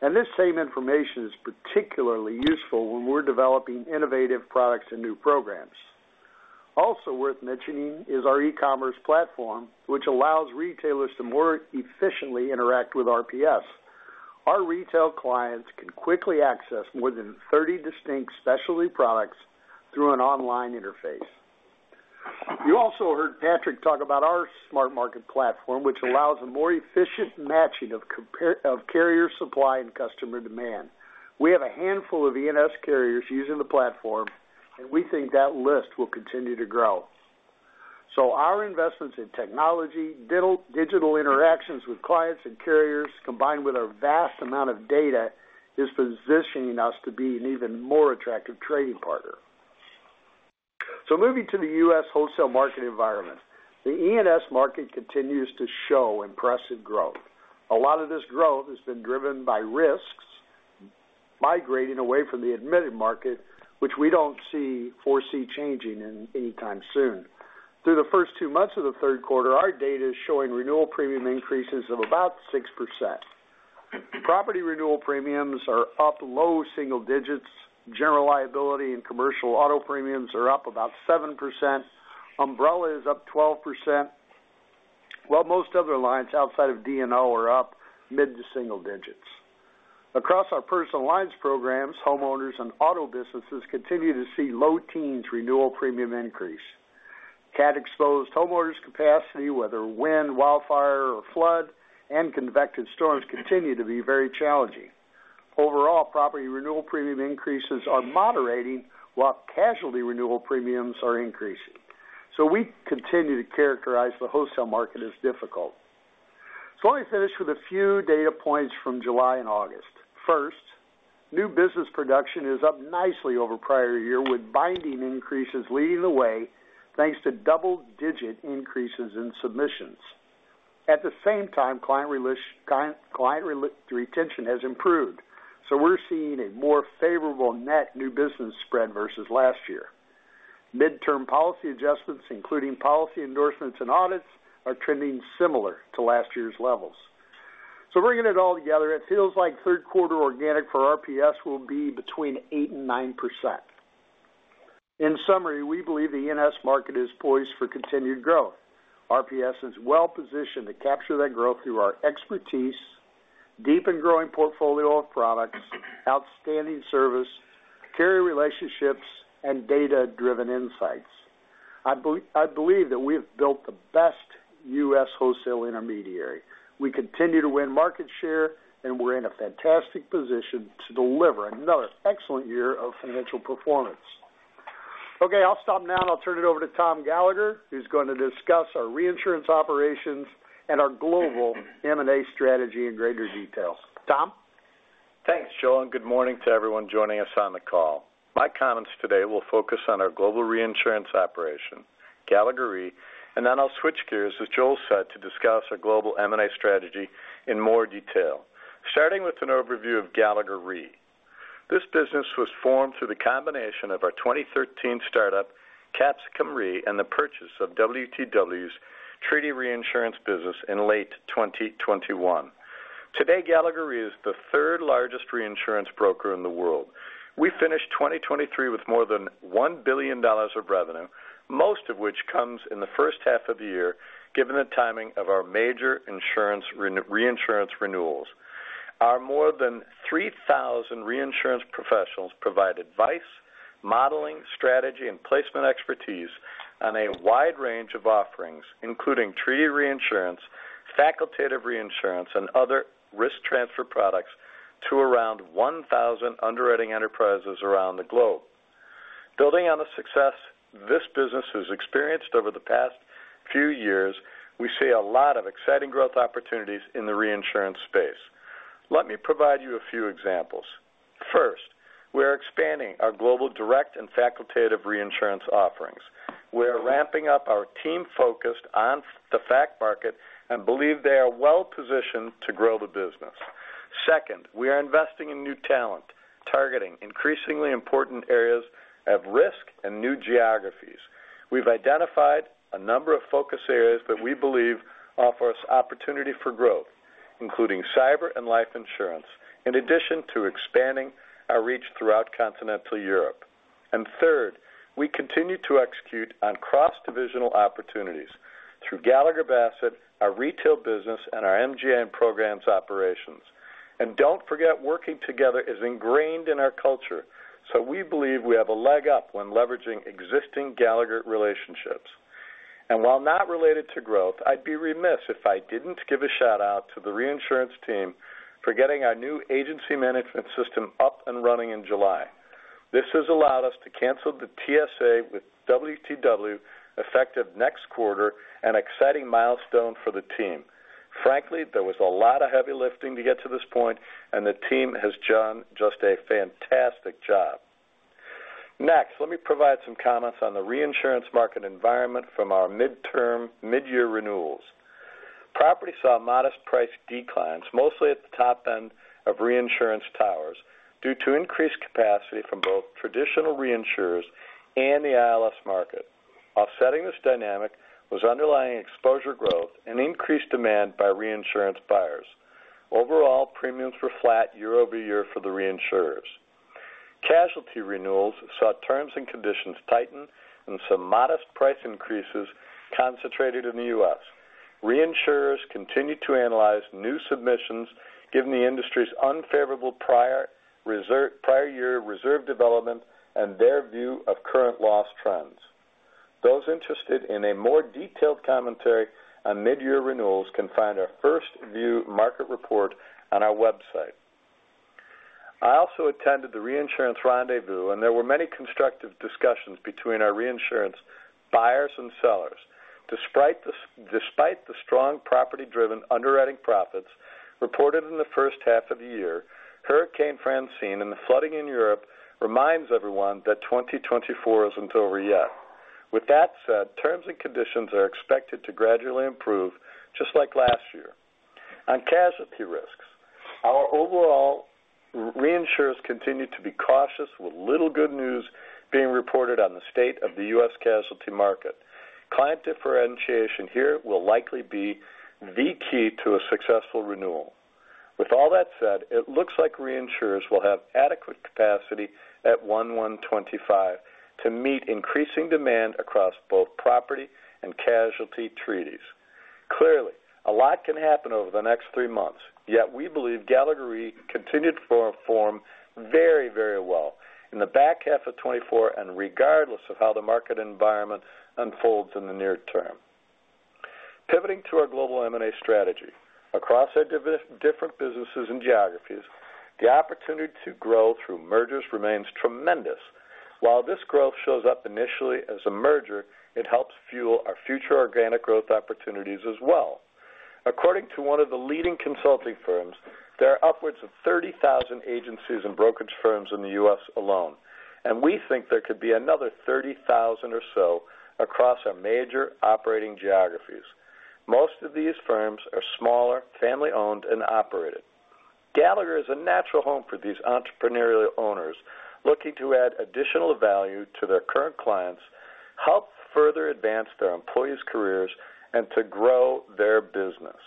Speaker 4: This same information is particularly useful when we're developing innovative products and new programs. Also worth mentioning is our e-commerce platform, which allows retailers to more efficiently interact with RPS. Our retail clients can quickly access more than 30 distinct specialty products through an online interface.... You also heard Patrick talk about our SmartMarket platform, which allows a more efficient matching of carrier supply and customer demand. We have a handful of E&S carriers using the platform, and we think that list will continue to grow. Our investments in technology, digital interactions with clients and carriers, combined with our vast amount of data, is positioning us to be an even more attractive trading partner. Moving to the U.S. wholesale market environment, the E&S market continues to show impressive growth. A lot of this growth has been driven by risks migrating away from the admitted market, which we don't foresee changing anytime soon. Through the first two months of the Q3, our data is showing renewal premium increases of about 6%. Property renewal premiums are up low single digits. General liability and commercial auto premiums are up about 7%. Umbrella is up 12%, while most other lines outside of D&O are up mid- to single digits. Across our personal lines programs, homeowners and auto businesses continue to see low teens renewal premium increase. Cat-exposed homeowners capacity, whether wind, wildfire or flood, and convective storms, continue to be very challenging. Overall, property renewal premium increases are moderating, while casualty renewal premiums are increasing. So we continue to characterize the wholesale market as difficult. So let me finish with a few data points from July and August. First, new business production is up nicely over prior year, with binding increases leading the way, thanks to double-digit increases in submissions. At the same time, client retention has improved, so we're seeing a more favorable net new business spread versus last year. Mid-term policy adjustments, including policy endorsements and audits, are trending similar to last year's levels. So bringing it all together, it feels like Q3 organic for RPS will be between 8% and 9%. In summary, we believe the E&S market is poised for continued growth. RPS is well positioned to capture that growth through our expertise, deep and growing portfolio of products, outstanding service, carrier relationships, and data-driven insights. I believe that we have built the best U.S. wholesale intermediary. We continue to win market share, and we're in a fantastic position to deliver another excellent year of financial performance. Okay, I'll stop now, and I'll turn it over to Tom Gallagher, who's going to discuss our reinsurance operations and our global M&A strategy in greater detail. Tom?
Speaker 5: Thanks, Joel, and good morning to everyone joining us on the call. My comments today will focus on our global reinsurance operation, Gallagher Re, and then I'll switch gears, as Joel said, to discuss our global M&A strategy in more detail. Starting with an overview of Gallagher Re. This business was formed through the combination of our 2013 startup, Capsicum Re, and the purchase of WTW's treaty reinsurance business in late 2021. Today, Gallagher Re is the third largest reinsurance broker in the world. We finished 2023 with more than $1 billion of revenue, most of which comes in the first half of the year, given the timing of our major insurance reinsurance renewals. Our more than three thousand reinsurance professionals provide advice, modeling, strategy, and placement expertise on a wide range of offerings, including treaty reinsurance, facultative reinsurance, and other risk transfer products to around one thousand underwriting enterprises around the globe. Building on the success this business has experienced over the past few years, we see a lot of exciting growth opportunities in the reinsurance space. Let me provide you a few examples. First, we are expanding our global direct and facultative reinsurance offerings. We are ramping up our team focused on the fac market and believe they are well positioned to grow the business. Second, we are investing in new talent, targeting increasingly important areas of risk and new geographies. We've identified a number of focus areas that we believe offer us opportunity for growth, including cyber and life insurance, in addition to expanding our reach throughout continental Europe. And third, we continue to execute on cross-divisional opportunities through Gallagher Bassett, our retail business, and our MGA and programs operations. And don't forget, working together is ingrained in our culture, so we believe we have a leg up when leveraging existing Gallagher relationships. And while not related to growth, I'd be remiss if I didn't give a shout-out to the reinsurance team for getting our new agency management system up and running in July. This has allowed us to cancel the TSA with WTW effective next quarter, an exciting milestone for the team. Frankly, there was a lot of heavy lifting to get to this point, and the team has done just a fantastic job. Next, let me provide some comments on the reinsurance market environment from our midterm mid-year renewals. Property saw modest price declines, mostly at the top end of reinsurance towers, due to increased capacity from both traditional reinsurers and the ILS market. Offsetting this dynamic was underlying exposure growth and increased demand by reinsurance buyers. Overall, premiums were flat year over year for the reinsurers. Casualty renewals saw terms and conditions tighten and some modest price increases, concentrated in the U.S. Reinsurers continue to analyze new submissions, given the industry's unfavorable prior year reserve development and their view of current loss trends. Those interested in a more detailed commentary on mid-year renewals can find our first view market report on our website. I also attended the Reinsurance Rendezvous, and there were many constructive discussions between our reinsurance buyers and sellers. Despite the strong property-driven underwriting profits reported in the first half of the year, Hurricane Francine and the flooding in Europe reminds everyone that 2024 isn't over yet. With that said, terms and conditions are expected to gradually improve, just like last year. On casualty risks, our overall reinsurers continue to be cautious, with little good news being reported on the state of the U.S. casualty market. Client differentiation here will likely be the key to a successful renewal. With all that said, it looks like reinsurers will have adequate capacity at 112.5 to meet increasing demand across both property and casualty treaties. Clearly, a lot can happen over the next three months, yet we believe Gallagher Re continued to perform very, very well in the back half of 2024, and regardless of how the market environment unfolds in the near term. Pivoting to our global M&A strategy. Across our different businesses and geographies, the opportunity to grow through mergers remains tremendous. While this growth shows up initially as a merger, it helps fuel our future organic growth opportunities as well. According to one of the leading consulting firms, there are upwards of 30,000 agencies and brokerage firms in the U.S. alone, and we think there could be another 30,000 or so across our major operating geographies. Most of these firms are smaller, family-owned and operated. Gallagher is a natural home for these entrepreneurial owners looking to add additional value to their current clients, help further advance their employees' careers, and to grow their business.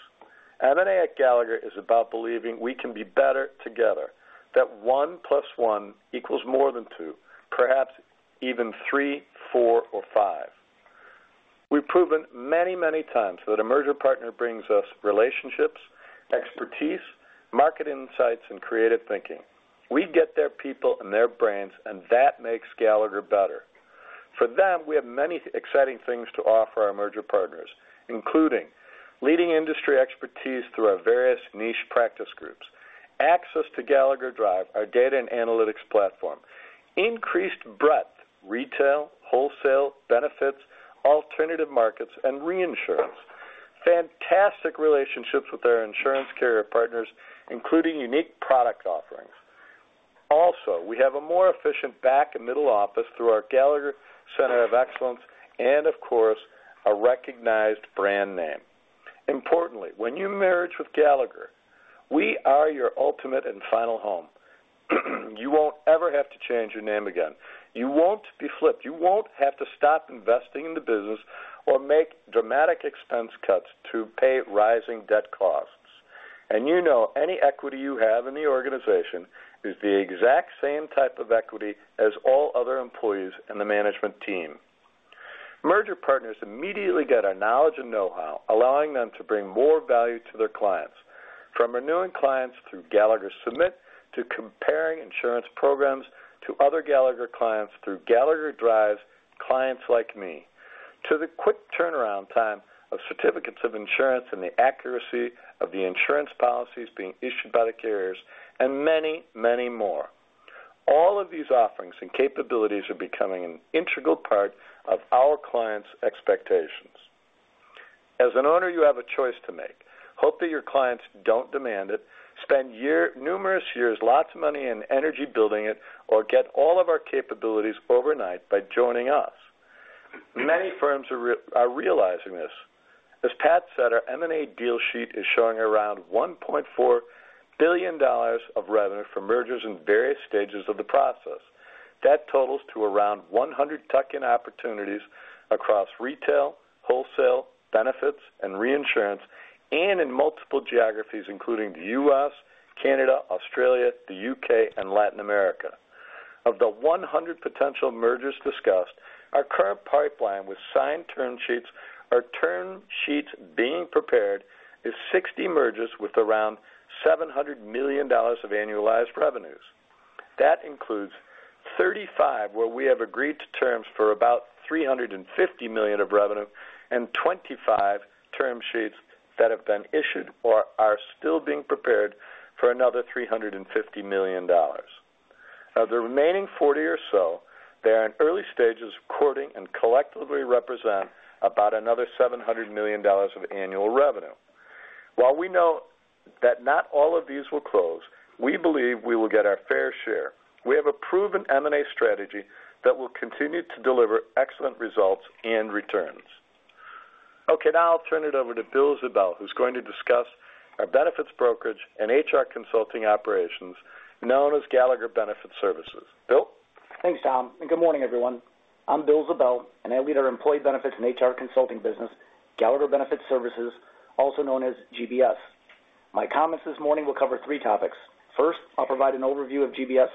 Speaker 5: M&A at Gallagher is about believing we can be better together, that one plus one equals more than two, perhaps even three, four, or five. We've proven many, many times that a merger partner brings us relationships, expertise, market insights, and creative thinking. We get their people and their brands, and that makes Gallagher better. For them, we have many exciting things to offer our merger partners, including leading industry expertise through our various niche practice groups, access to Gallagher Drive, our data and analytics platform, increased breadth, retail, wholesale, benefits, alternative markets, and reinsurance, fantastic relationships with our insurance carrier partners, including unique product offerings. Also, we have a more efficient back and middle office through our Gallagher Center of Excellence and, of course, a recognized brand name. Importantly, when you merge with Gallagher, we are your ultimate and final home. You won't ever have to change your name again. You won't be flipped. You won't have to stop investing in the business or make dramatic expense cuts to pay rising debt costs. You know, any equity you have in the organization is the exact same type of equity as all other employees and the management team. Merger partners immediately get our knowledge and know-how, allowing them to bring more value to their clients, from renewing clients through Gallagher Submit, to comparing insurance programs to other Gallagher clients through Gallagher Drive's Clients Like Me, to the quick turnaround time of certificates of insurance and the accuracy of the insurance policies being issued by the carriers, and many, many more. All of these offerings and capabilities are becoming an integral part of our clients' expectations. As an owner, you have a choice to make. Hope that your clients don't demand it, spend numerous years, lots of money and energy building it, or get all of our capabilities overnight by joining us. Many firms are realizing this. As Pat said, our M&A deal sheet is showing around $1.4 billion of revenue from mergers in various stages of the process. That totals to around 100 tuck-in opportunities across retail, wholesale, benefits, and reinsurance, and in multiple geographies, including the U.S., Canada, Australia, the U.K., and Latin America. Of the 100 potential mergers discussed, our current pipeline with signed term sheets or term sheets being prepared, is 60 mergers with around $700 million of annualized revenues. That includes 35, where we have agreed to terms for about $350 million of revenue, and 25 term sheets that have been issued or are still being prepared for another $350 million. Of the remaining 40 or so, they are in early stages of courting and collectively represent about another $700 million of annual revenue. While we know that not all of these will close, we believe we will get our fair share. We have a proven M&A strategy that will continue to deliver excellent results and returns. Okay, now I'll turn it over to Bill Ziebell, who's going to discuss our benefits brokerage and HR consulting operations, known as Gallagher Benefit Services. Bill?
Speaker 6: Thanks, Tom, and good morning, everyone. I'm Bill Ziebell, and I lead our employee benefits and HR consulting business, Gallagher Benefit Services, also known as GBS. My comments this morning will cover three topics. First, I'll provide an overview of GBS.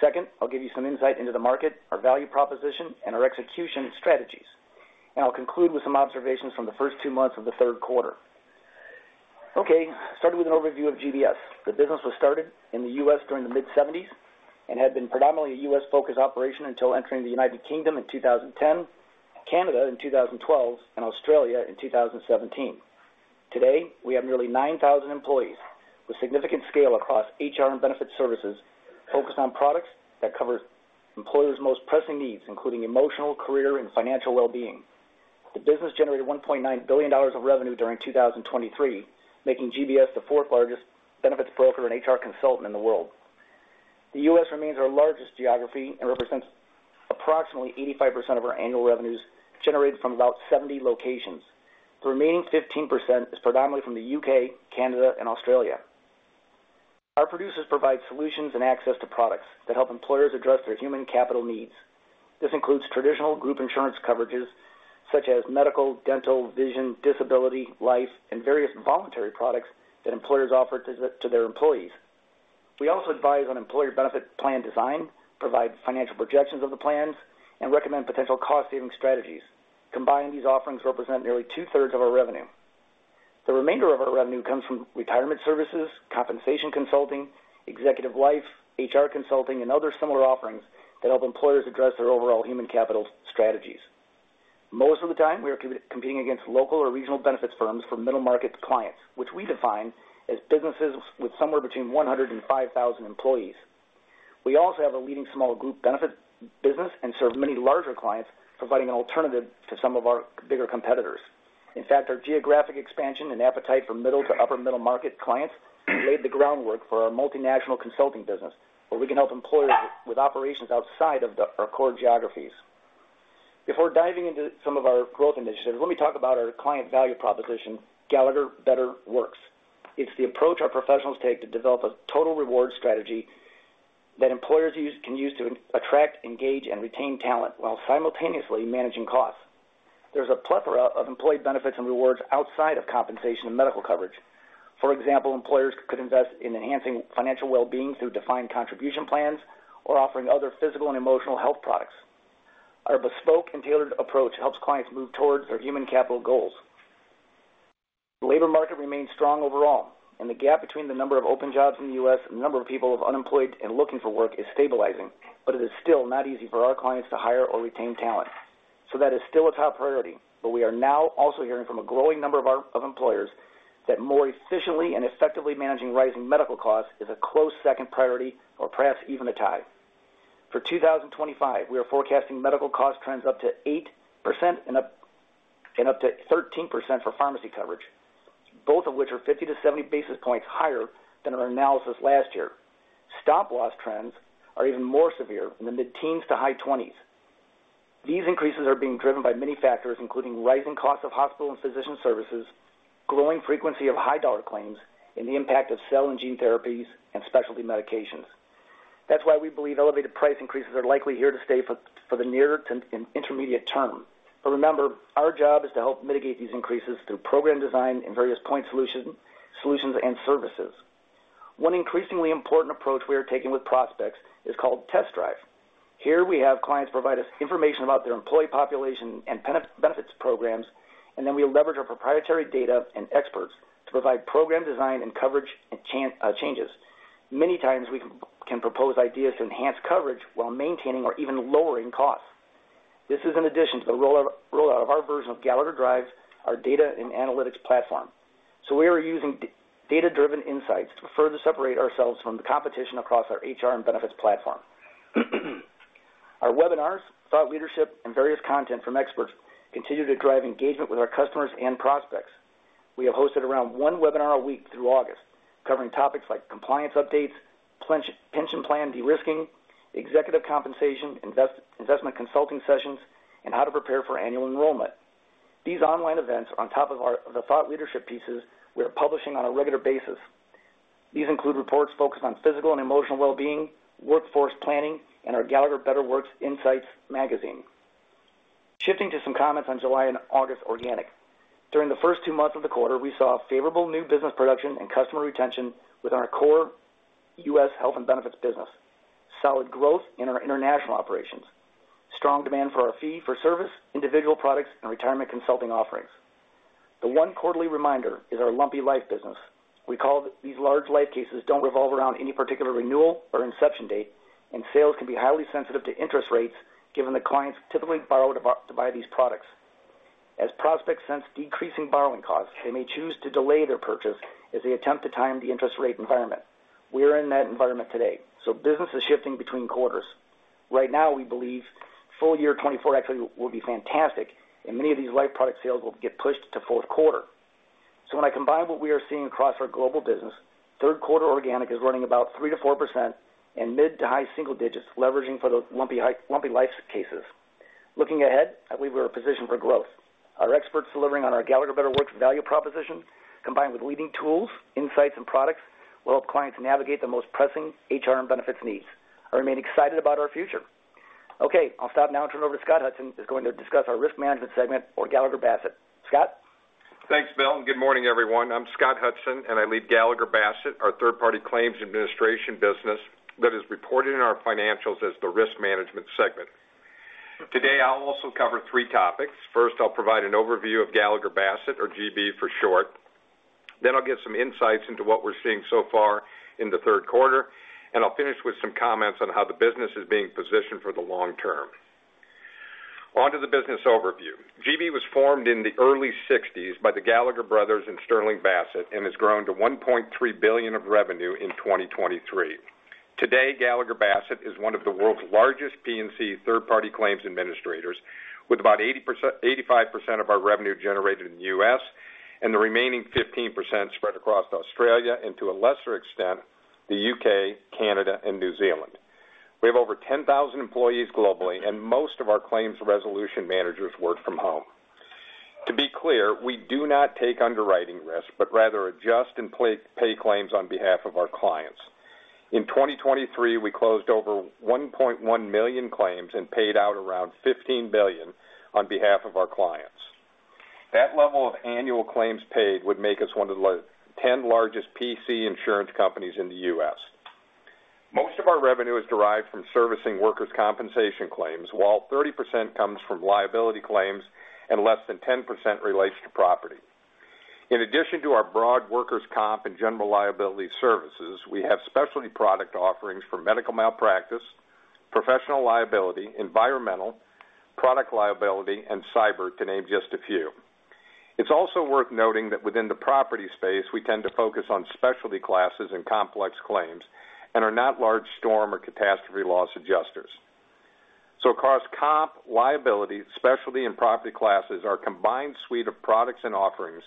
Speaker 6: Second, I'll give you some insight into the market, our value proposition, and our execution strategies, and I'll conclude with some observations from the first two months of the Q3. Okay, starting with an overview of GBS. The business was started in the U.S. during the mid-1970s and had been predominantly a U.S.-focused operation until entering the United Kingdom in two thousand and ten, Canada in two thousand and twelve, and Australia in two thousand and seventeen. Today, we have nearly 9,000 employees with significant scale across HR and benefit services, focused on products that covers employers' most pressing needs, including emotional, career, and financial well-being. The business generated $1.9 billion of revenue during 2023, making GBS the fourth-largest benefits broker and HR consultant in the world. The U.S. remains our largest geography and represents approximately 85% of our annual revenues, generated from about 70 locations. The remaining 15% is predominantly from the U.K., Canada, and Australia. Our producers provide solutions and access to products that help employers address their human capital needs. This includes traditional group insurance coverages, such as medical, dental, vision, disability, life, and various voluntary products that employers offer to their employees. We also advise on employer benefit plan design, provide financial projections of the plans, and recommend potential cost-saving strategies. Combined, these offerings represent nearly two-thirds of our revenue. The remainder of our revenue comes from retirement services, compensation consulting, executive life, HR consulting, and other similar offerings that help employers address their overall human capital strategies. Most of the time, we are competing against local or regional benefits firms for middle-market clients, which we define as businesses with somewhere between one hundred and five thousand employees. We also have a leading small group benefit business and serve many larger clients, providing an alternative to some of our bigger competitors. In fact, our geographic expansion and appetite for middle to upper middle-market clients laid the groundwork for our multinational consulting business, where we can help employers with operations outside of our core geographies. Before diving into some of our growth initiatives, let me talk about our client value proposition, Gallagher Better Works. It's the approach our professionals take to develop a total reward strategy that employers use, can use to attract, engage, and retain talent while simultaneously managing costs. There's a plethora of employee benefits and rewards outside of compensation and medical coverage. For example, employers could invest in enhancing financial well-being through defined contribution plans or offering other physical and emotional health products. Our bespoke and tailored approach helps clients move towards their human capital goals. The labor market remains strong overall, and the gap between the number of open jobs in the US and the number of people who are unemployed and looking for work is stabilizing, but it is still not easy for our clients to hire or retain talent. So that is still a top priority, but we are now also hearing from a growing number of our of employers that more efficiently and effectively managing rising medical costs is a close second priority or perhaps even a tie. For two thousand and twenty-five, we are forecasting medical cost trends up to 8% and up to 13% for pharmacy coverage, both of which are 50-70 basis points higher than our analysis last year. Stop-loss trends are even more severe, in the mid-teens to high twenties. These increases are being driven by many factors, including rising costs of hospital and physician services, growing frequency of high dollar claims, and the impact of cell and gene therapies and specialty medications. That's why we believe elevated price increases are likely here to stay for the near to intermediate term. But remember, our job is to help mitigate these increases through program design and various point solutions and services. One increasingly important approach we are taking with prospects is called Test Drive. Here, we have clients provide us information about their employee population and benefits programs, and then we leverage our proprietary data and experts to provide program design and coverage and changes. Many times, we can propose ideas to enhance coverage while maintaining or even lowering costs. This is in addition to the rollout of our version of Gallagher Drive, our data and analytics platform. So we are using data-driven insights to further separate ourselves from the competition across our HR and benefits platform. Our webinars, thought leadership, and various content from experts continue to drive engagement with our customers and prospects. We have hosted around one webinar a week through August, covering topics like compliance updates, pension plan de-risking, executive compensation, investment consulting sessions, and how to prepare for annual enrollment. These online events are on top of our, the thought leadership pieces we are publishing on a regular basis. These include reports focused on physical and emotional well-being, workforce planning, and our Gallagher Better Works Insights magazine. Shifting to some comments on July and August organic. During the first two months of the quarter, we saw favorable new business production and customer retention with our core U.S. health and benefits business, solid growth in our international operations, strong demand for our fee-for-service, individual products, and retirement consulting offerings. The one quarterly reminder is our lumpy life business. These large life cases don't revolve around any particular renewal or inception date, and sales can be highly sensitive to interest rates, given that clients typically borrow to buy these products. As prospects sense decreasing borrowing costs, they may choose to delay their purchase as they attempt to time the interest rate environment. We are in that environment today, so business is shifting between quarters. Right now, we believe full year 2024 actually will be fantastic, and many of these life product sales will get pushed to Q4. So when I combine what we are seeing across our global business, Q3 organic is running about 3%-4% and mid- to high-single digits, leveraging for those lumpy life cases. Looking ahead, I believe we are positioned for growth. Our experts delivering on our Gallagher Better Works value proposition, combined with leading tools, insights, and products, will help clients navigate the most pressing HR and benefits needs. I remain excited about our future. Okay, I'll stop now and turn it over to Scott Hudson, who's going to discuss our risk management segment for Gallagher Bassett. Scott?...
Speaker 7: Thanks, Bill, and good morning, everyone. I'm Scott Hudson, and I lead Gallagher Bassett, our third-party claims administration business that is reported in our financials as the risk management segment. Today, I'll also cover three topics. First, I'll provide an overview of Gallagher Bassett, or GB for short. Then I'll give some insights into what we're seeing so far in the Q3, and I'll finish with some comments on how the business is being positioned for the long term. On to the business overview. GB was formed in the early 1960s by the Gallagher brothers and Sterling Bassett and has grown to $1.3 billion of revenue in 2023. Today, Gallagher Bassett is one of the world's largest P&C third-party claims administrators, with about 80%–85% of our revenue generated in the U.S. and the remaining 15% spread across Australia and, to a lesser extent, the U.K., Canada, and New Zealand. We have over 10,000 employees globally, and most of our claims resolution managers work from home. To be clear, we do not take underwriting risk, but rather adjust and pay claims on behalf of our clients. In 2023, we closed over 1.1 million claims and paid out around $15 billion on behalf of our clients. That level of annual claims paid would make us one of the ten largest P&C insurance companies in the U.S. Most of our revenue is derived from servicing workers' compensation claims, while 30% comes from liability claims and less than 10% relates to property. In addition to our broad workers' comp and general liability services, we have specialty product offerings for medical malpractice, professional liability, environmental, product liability, and cyber, to name just a few. It's also worth noting that within the property space, we tend to focus on specialty classes and complex claims and are not large storm or catastrophe loss adjusters. So across comp, liability, specialty, and property classes, our combined suite of products and offerings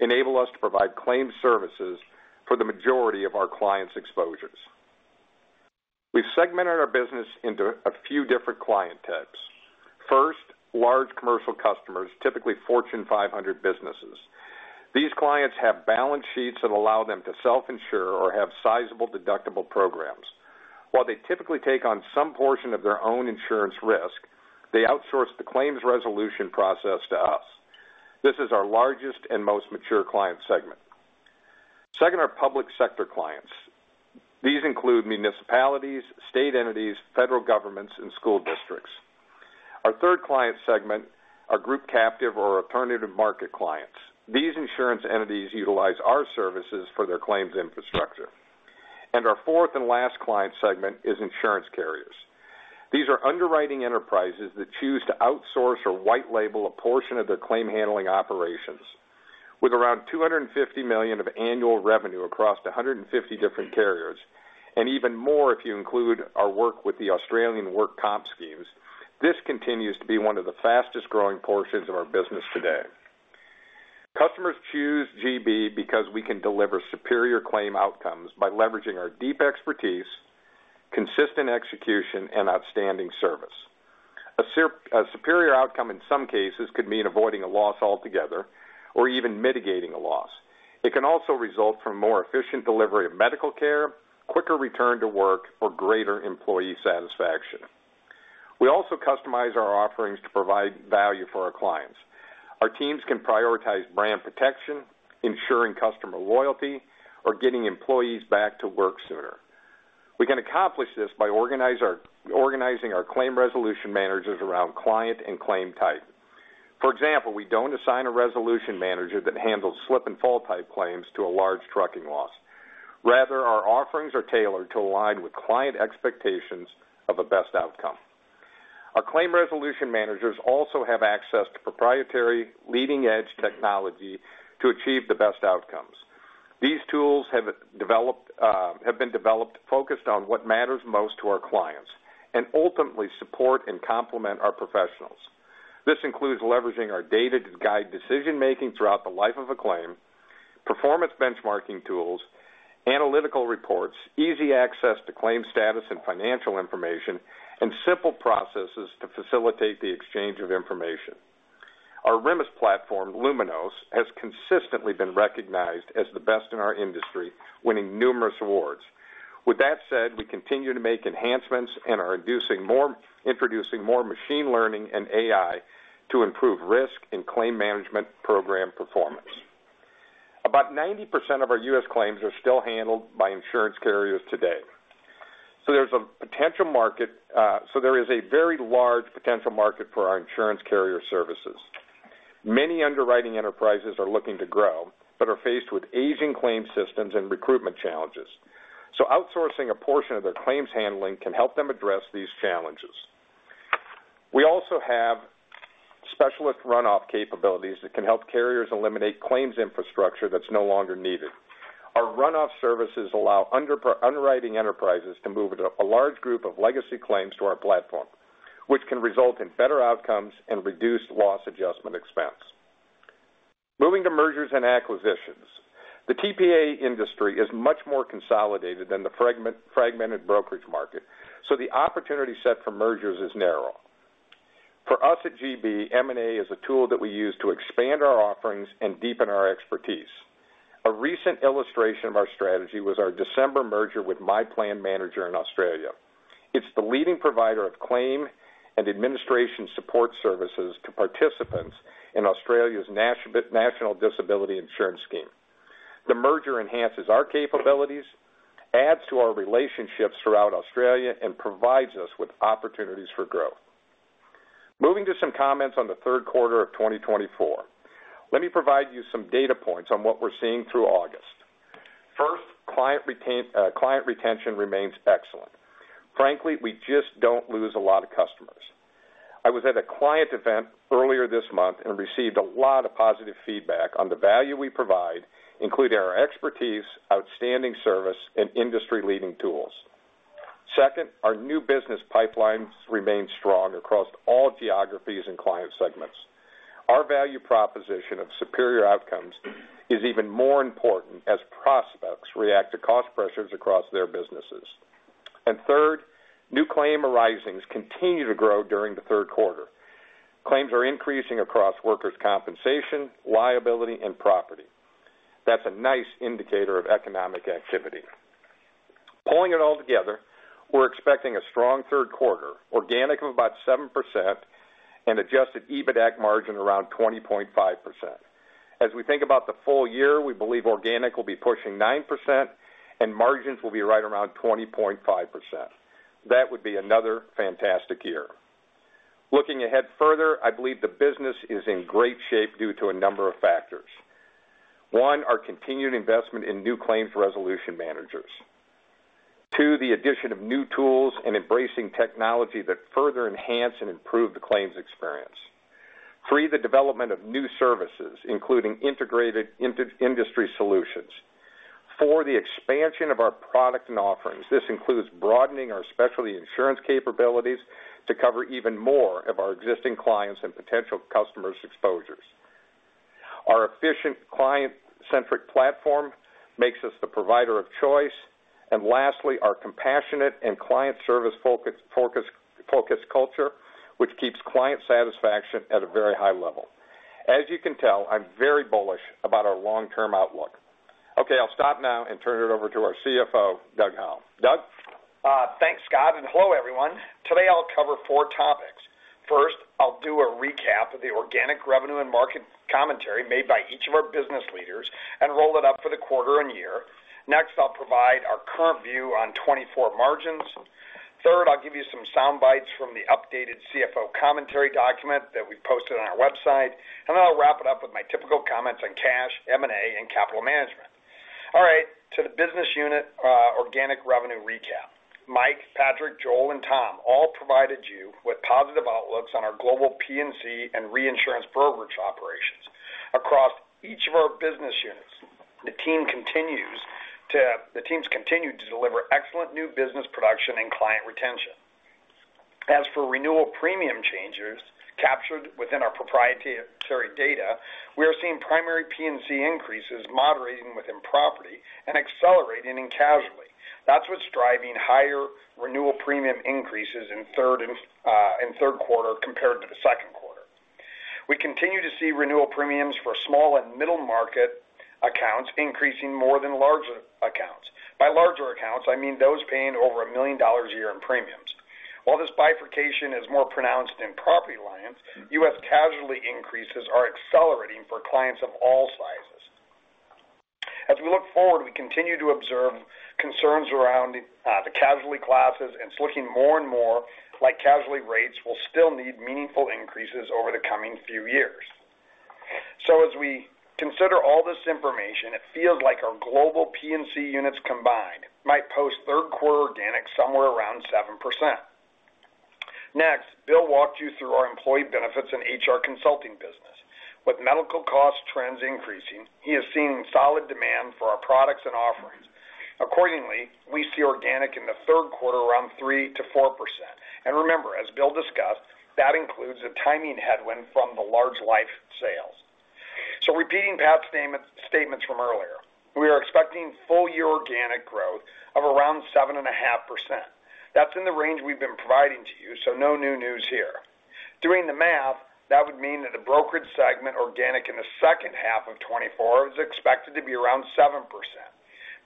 Speaker 7: enable us to provide claims services for the majority of our clients' exposures. We've segmented our business into a few different client types. First, large commercial customers, typically Fortune 500 businesses. These clients have balance sheets that allow them to self-insure or have sizable deductible programs. While they typically take on some portion of their own insurance risk, they outsource the claims resolution process to us. This is our largest and most mature client segment. Second, are public sector clients. These include municipalities, state entities, federal governments, and school districts. Our third client segment are group captive or alternative market clients. These insurance entities utilize our services for their claims infrastructure. And our fourth and last client segment is insurance carriers. These are underwriting enterprises that choose to outsource or white label a portion of their claim-handling operations. With around $250 million of annual revenue across 150 different carriers, and even more if you include our work with the Australian Work Comp Schemes, this continues to be one of the fastest-growing portions of our business today. Customers choose GB because we can deliver superior claim outcomes by leveraging our deep expertise, consistent execution, and outstanding service. A superior outcome, in some cases, could mean avoiding a loss altogether or even mitigating a loss. It can also result from more efficient delivery of medical care, quicker return to work, or greater employee satisfaction. We also customize our offerings to provide value for our clients. Our teams can prioritize brand protection, ensuring customer loyalty, or getting employees back to work sooner. We can accomplish this by organizing our claim resolution managers around client and claim type. For example, we don't assign a resolution manager that handles slip and fall type claims to a large trucking loss. Rather, our offerings are tailored to align with client expectations of a best outcome. Our claim resolution managers also have access to proprietary, leading-edge technology to achieve the best outcomes. These tools have been developed, focused on what matters most to our clients and ultimately support and complement our professionals. This includes leveraging our data to guide decision-making throughout the life of a claim, performance benchmarking tools, analytical reports, easy access to claim status and financial information, and simple processes to facilitate the exchange of information. Our RMIS platform, Luminos, has consistently been recognized as the best in our industry, winning numerous awards. With that said, we continue to make enhancements and are introducing more machine learning and AI to improve risk and claim management program performance. About 90% of our U.S. claims are still handled by insurance carriers today. So there's a potential market, so there is a very large potential market for our insurance carrier services. Many underwriting enterprises are looking to grow, but are faced with aging claim systems and recruitment challenges, so outsourcing a portion of their claims handling can help them address these challenges. We also have specialist run-off capabilities that can help carriers eliminate claims infrastructure that's no longer needed. Our run-off services allow underwriting enterprises to move a large group of legacy claims to our platform, which can result in better outcomes and reduced loss adjustment expense. Moving to mergers and acquisitions, the TPA industry is much more consolidated than the fragmented brokerage market, so the opportunity set for mergers is narrow. For us at GB, M&A is a tool that we use to expand our offerings and deepen our expertise... A recent illustration of our strategy was our December merger with My Plan Manager in Australia. It's the leading provider of claim and administration support services to participants in Australia's National Disability Insurance Scheme. The merger enhances our capabilities, adds to our relationships throughout Australia, and provides us with opportunities for growth. Moving to some comments on the Q3 of twenty twenty-four. Let me provide you some data points on what we're seeing through August. First, client retention remains excellent. Frankly, we just don't lose a lot of customers. I was at a client event earlier this month and received a lot of positive feedback on the value we provide, including our expertise, outstanding service, and industry-leading tools. Second, our new business pipelines remain strong across all geographies and client segments. Our value proposition of superior outcomes is even more important as prospects react to cost pressures across their businesses, and third, new claim arisings continue to grow during the Q3. Claims are increasing across workers' compensation, liability, and property. That's a nice indicator of economic activity. Pulling it all together, we're expecting a strong Q3, organic of about 7% and Adjusted EBITAC margin around 20.5%. As we think about the full year, we believe organic will be pushing 9%, and margins will be right around 20.5%. That would be another fantastic year. Looking ahead further, I believe the business is in great shape due to a number of factors. One, our continued investment in new claims resolution managers. Two, the addition of new tools and embracing technology that further enhance and improve the claims experience. Three, the development of new services, including integrated industry solutions. Four, the expansion of our products and offerings. This includes broadening our specialty insurance capabilities to cover even more of our existing clients and potential customers' exposures. Our efficient client-centric platform makes us the provider of choice. And lastly, our compassionate and client service focus culture, which keeps client satisfaction at a very high level. As you can tell, I'm very bullish about our long-term outlook. Okay, I'll stop now and turn it over to our CFO, Doug Howell. Doug?
Speaker 8: Thanks, Scott, and hello, everyone. Today, I'll cover four topics. First, I'll do a recap of the organic revenue and market commentary made by each of our business leaders and roll it up for the quarter and year. Next, I'll provide our current view on 'twenty-four margins. Third, I'll give you some sound bites from the updated CFO commentary document that we posted on our website, and then I'll wrap it up with my typical comments on cash, M&A, and capital management. All right, to the business unit, organic revenue recap. Mike, Patrick, Joel, and Tom all provided you with positive outlooks on our global P&C and reinsurance brokerage operations. Across each of our business units, the teams continue to deliver excellent new business production and client retention. As for renewal premium changes captured within our proprietary data, we are seeing primary P&C increases moderating within property and accelerating in casualty. That's what's driving higher renewal premium increases in third and in Q3 compared to the Q2. We continue to see renewal premiums for small and middle market accounts increasing more than larger accounts. By larger accounts, I mean those paying over $1 million a year in premiums. While this bifurcation is more pronounced in property lines, U.S. casualty increases are accelerating for clients of all sizes. As we look forward, we continue to observe concerns around the casualty classes, and it's looking more and more like casualty rates will still need meaningful increases over the coming few years. So as we consider all this information, it feels like our global P&C units combined might post Q3 organic somewhere around 7%. Next, Bill walked you through our employee benefits and HR consulting business. With medical cost trends increasing, he is seeing solid demand for our products and offerings. Accordingly, we see organic in the Q3 around 3-4%. Remember, as Bill discussed, that includes a timing headwind from the large life sales. Repeating Pat's statement, statements from earlier, we are expecting full year organic growth of around 7.5%. That's in the range we've been providing to you, so no new news here. Doing the math, that would mean that the brokerage segment organic in the second half of 2024 is expected to be around 7%,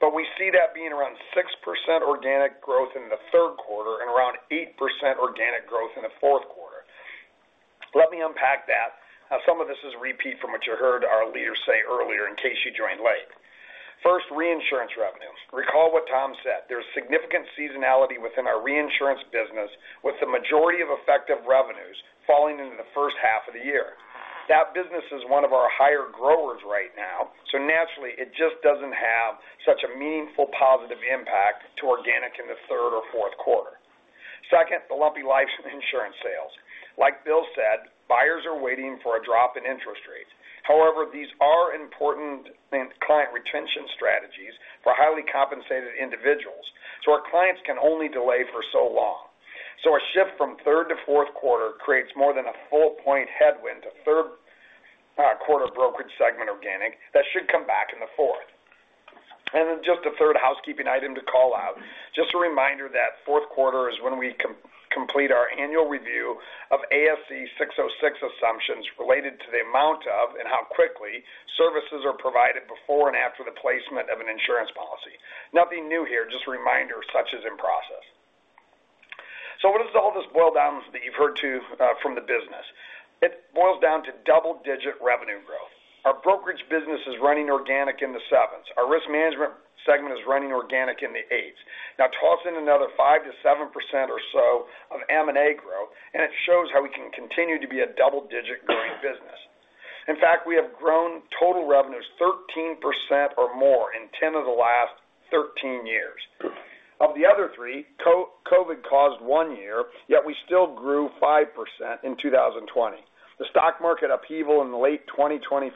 Speaker 8: but we see that being around 6% organic growth in the Q3 and around 8% organic growth in the Q4. Let me unpack that. Some of this is a repeat from what you heard our leaders say earlier, in case you joined late. First, reinsurance revenues. Recall what Tom said, there's significant seasonality within our reinsurance business, with the majority of effective revenues falling into the first half of the year. That business is one of our higher growers right now, so naturally, it just doesn't have such a meaningful positive impact to organic in the third or Q4. Second, the lumpy life insurance sales. Like Bill said, buyers are waiting for a drop in interest rates. However, these are important in client retention strategies for highly compensated individuals, so our clients can only delay for so long. So a shift from third to Q4 creates more than a full point headwind to Q3 brokerage segment organic that should come back in the fourth.... And then just a third housekeeping item to call out. Just a reminder that Q4 is when we complete our annual review of ASC 606 assumptions related to the amount of and how quickly services are provided before and after the placement of an insurance policy. Nothing new here, just a reminder, such is in process. So what does all this boil down to that you've heard from the business? It boils down to double-digit revenue growth. Our brokerage business is running organic in the sevens. Our risk management segment is running organic in the eights. Now toss in another 5%-7% or so of M&A growth, and it shows how we can continue to be a double-digit growing business. In fact, we have grown total revenues 13% or more in 10 of the last 13 years. Of the other three, COVID caused one year, yet we still grew 5% in 2020. The stock market upheaval in the late 2015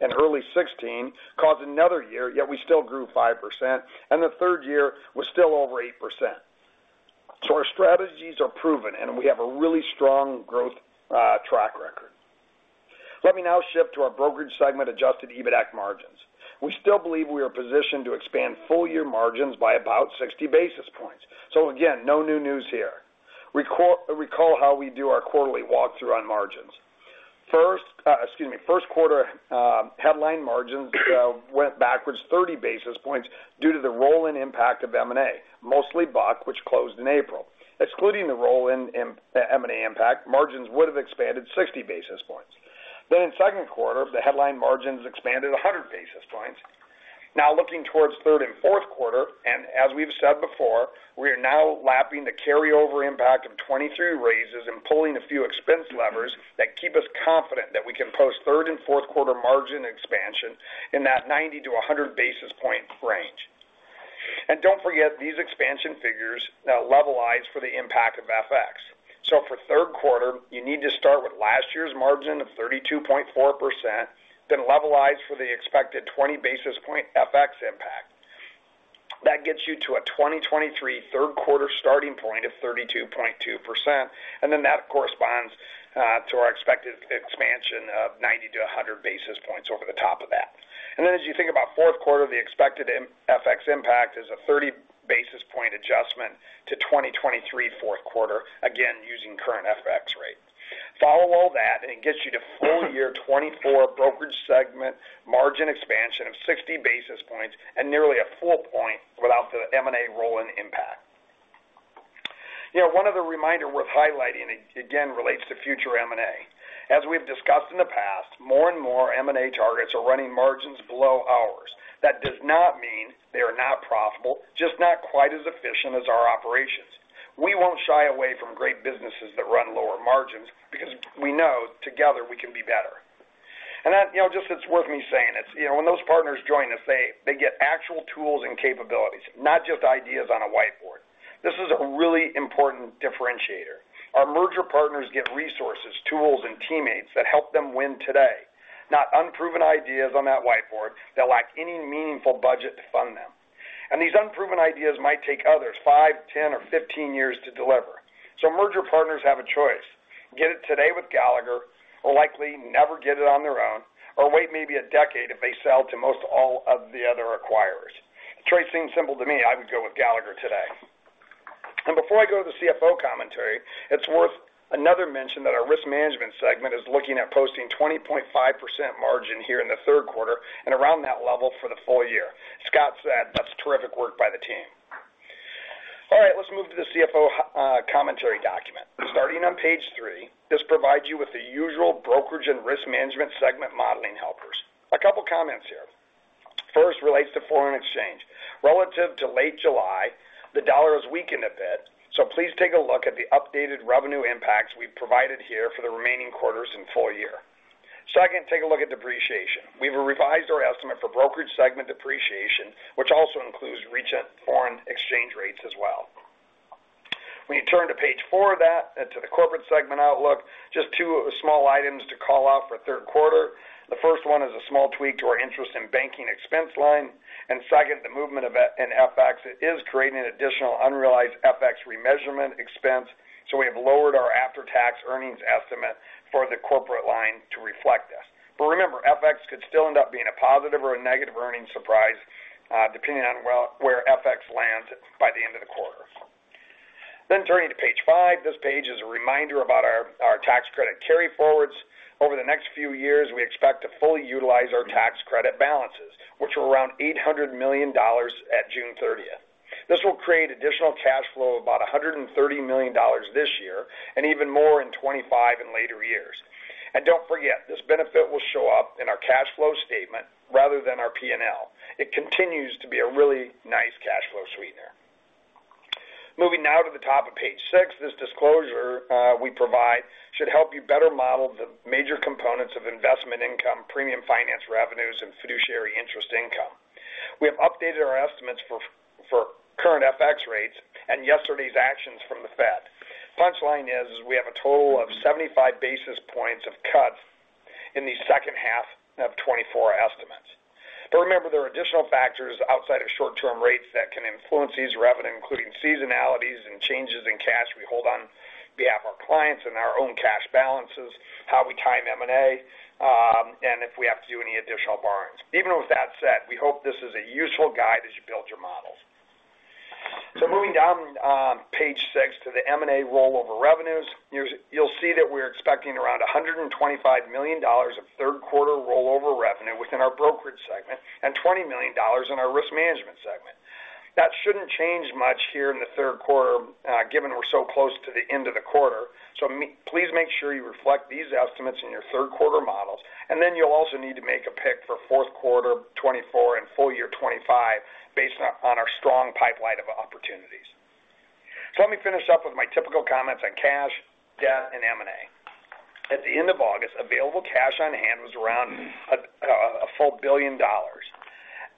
Speaker 8: and early 2016 caused another year, yet we still grew 5%, and the third year was still over 8%. Our strategies are proven, and we have a really strong growth track record. Let me now shift to our brokerage segment adjusted EBITAC margins. We still believe we are positioned to expand full year margins by about 60 basis points. Again, no new news here. Recall how we do our quarterly walkthrough on margins. First, excuse me, Q1 headline margins went backwards 30 basis points due to the roll-in impact of M&A, mostly Buck, which closed in April. Excluding the roll-in of M&A impact, margins would have expanded 60 basis points. Then in Q2, the headline margins expanded 100 basis points. Now looking towards third and Q4, and as we've said before, we are now lapping the carryover impact of 23 raises and pulling a few expense levers that keep us confident that we can post third and Q4 margin expansion in that 90 to 100 basis point range. And don't forget, these expansion figures levelize for the impact of FX. So for Q3, you need to start with last year's margin of 32.4%, then levelize for the expected 20 basis point FX impact. That gets you to a 2023 Q3 starting point of 32.2%, and then that corresponds to our expected expansion of 90 to 100 basis points over the top of that. Then as you think about Q4, the expected FX impact is a thirty basis point adjustment to 2023 Q4, again, using current FX rate. Follow all that, and it gets you to full year 2024 brokerage segment margin expansion of sixty basis points and nearly a full point without the M&A roll-in impact. You know, one other reminder worth highlighting, again, relates to future M&A. As we've discussed in the past, more and more M&A targets are running margins below ours. That does not mean they are not profitable, just not quite as efficient as our operations. We won't shy away from great businesses that run lower margins because we know together, we can be better. And that, you know, just, it's worth me saying. It's, you know, when those partners join us, they get actual tools and capabilities, not just ideas on a whiteboard. This is a really important differentiator. Our merger partners get resources, tools, and teammates that help them win today, not unproven ideas on that whiteboard that lack any meaningful budget to fund them, and these unproven ideas might take others five, 10, or 15 years to deliver, so merger partners have a choice: get it today with Gallagher, or likely never get it on their own, or wait maybe a decade if they sell to most all of the other acquirers. The choice seems simple to me. I would go with Gallagher today. Before I go to the CFO commentary, it's worth another mention that our risk management segment is looking at posting 20.5% margin here in the Q3 and around that level for the full year. Scott said, that's terrific work by the team. All right, let's move to the CFO commentary document. Starting on page 3, this provides you with the usual brokerage and risk management segment modeling helpers. A couple of comments here. First relates to foreign exchange. Relative to late July, the dollar has weakened a bit, so please take a look at the updated revenue impacts we've provided here for the remaining quarters and full year. Second, take a look at depreciation. We've revised our estimate for brokerage segment depreciation, which also includes recent foreign exchange rates as well. When you turn to page four of that, and to the corporate segment outlook, just two small items to call out for Q3. The first one is a small tweak to our interest in banking expense line. And second, the movement of F- in FX is creating an additional unrealized FX remeasurement expense, so we have lowered our after-tax earnings estimate for the corporate line to reflect this. But remember, FX could still end up being a positive or a negative earnings surprise, depending on well, where FX lands by the end of the quarter. Then turning to page five, this page is a reminder about our tax credit carryforwards. Over the next few years, we expect to fully utilize our tax credit balances, which were around $800 million at June thirtieth. This will create additional cash flow of about $130 million this year and even more in 2025 and later years. And don't forget, this benefit will show up in our cash flow statement rather than our P&L. It continues to be a really nice cash flow sweetener. Moving now to the top of page six, this disclosure we provide should help you better model the major components of investment income, premium finance revenues, and fiduciary interest income. We have updated our estimates for current FX rates and yesterday's actions from the Fed. Punchline is we have a total of 75 basis points of cuts in the second half of 2024 estimates. But remember, there are additional factors outside of short-term rates that can influence these revenue, including seasonalities and changes in cash we hold on behalf of our clients and our own cash balances, how we time M&A, and if we have to do any additional borrowings. Even with that said, we hope this is a useful guide as you build your models. So moving down, page six to the M&A rollover revenues, you'll see that we're expecting around $125 million of Q3 rollover revenue within our brokerage segment, and $20 million in our risk management segment. That shouldn't change much here in the Q3, given we're so close to the end of the quarter. Please make sure you reflect these estimates in your Q3 models, and then you'll also need to make a pick for Q4 2024 and full year 2025, based on our strong pipeline of opportunities. So let me finish up with my typical comments on cash, debt, and M&A. At the end of August, available cash on hand was around $1 billion.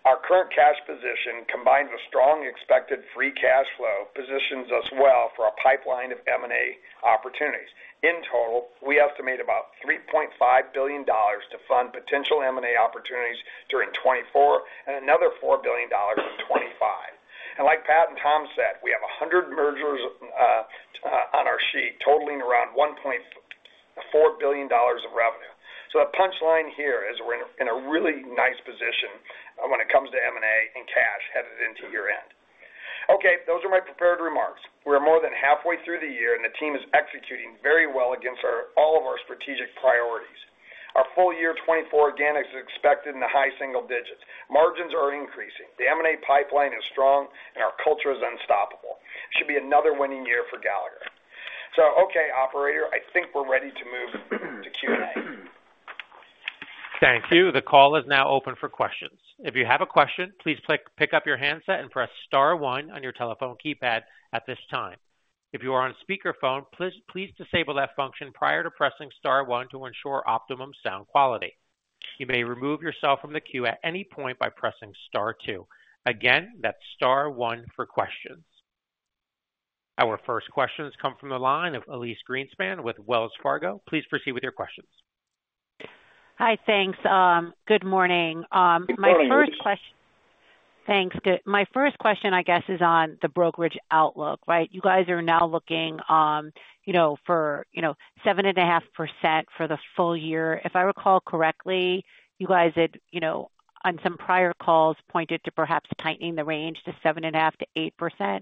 Speaker 8: Our current cash position, combined with strong expected free cash flow, positions us well for a pipeline of M&A opportunities. In total, we estimate about $3.5 billion to fund potential M&A opportunities during 2024, and another $4 billion in 2025. And like Pat and Tom said, we have 100 mergers on our sheet, totaling around $1.4 billion of revenue. So the punchline here is we're in a really nice position when it comes to M&A and cash headed into year-end. Okay, those are my prepared remarks. We're more than halfway through the year, and the team is executing very well against all of our strategic priorities. Our full-year 2024 organics is expected in the high single digits. Margins are increasing, the M&A pipeline is strong, and our culture is unstoppable. It should be another winning year for Gallagher. So okay, operator, I think we're ready to move to Q&A.
Speaker 1: Thank you. The call is now open for questions. If you have a question, please pick up your handset and press star one on your telephone keypad at this time. If you are on speakerphone, please disable that function prior to pressing star one to ensure optimum sound quality. You may remove yourself from the queue at any point by pressing star two. Again, that's star one for questions. Our first questions come from the line of Elise Greenspan with Wells Fargo. Please proceed with your questions.
Speaker 9: Hi, thanks. Good morning.
Speaker 8: Good morning.
Speaker 9: My first question, I guess, is on the brokerage outlook, right? You guys are now looking, you know, for 7.5% for the full year. If I recall correctly, you guys had, you know, on some prior calls, pointed to perhaps tightening the range to 7.5%-8%.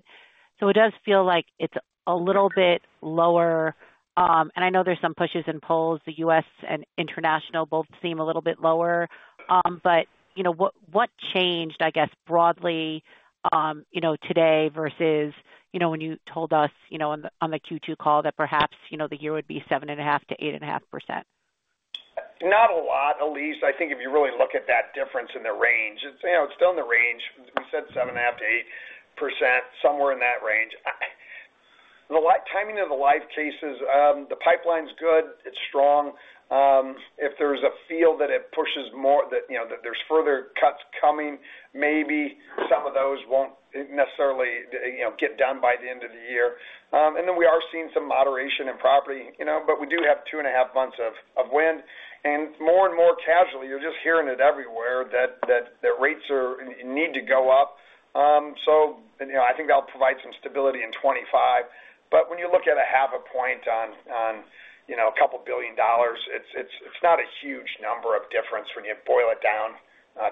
Speaker 9: So it does feel like it's a little bit lower. And I know there's some pushes and pulls. The U.S. and international both seem a little bit lower. But you know, what changed, I guess, broadly, you know, today versus when you told us on the Q2 call, that perhaps the year would be 7.5%-8.5%?
Speaker 8: Not a lot, Elise. I think if you really look at that difference in the range, it's, you know, it's still in the range. We said 7.5%-8%, somewhere in that range. The timing of the life cases, the pipeline's good, it's strong. If there's a feel that it pushes more, that, you know, that there's further cuts coming, maybe some of those won't necessarily, you know, get done by the end of the year. And then we are seeing some moderation in property, you know, but we do have two and a half months of wind. And more and more casualty, you're just hearing it everywhere, that the rates need to go up. So, you know, I think that'll provide some stability in 2025. But when you look at 0.5 point on you know $2 billion it's not a huge number of difference when you boil it down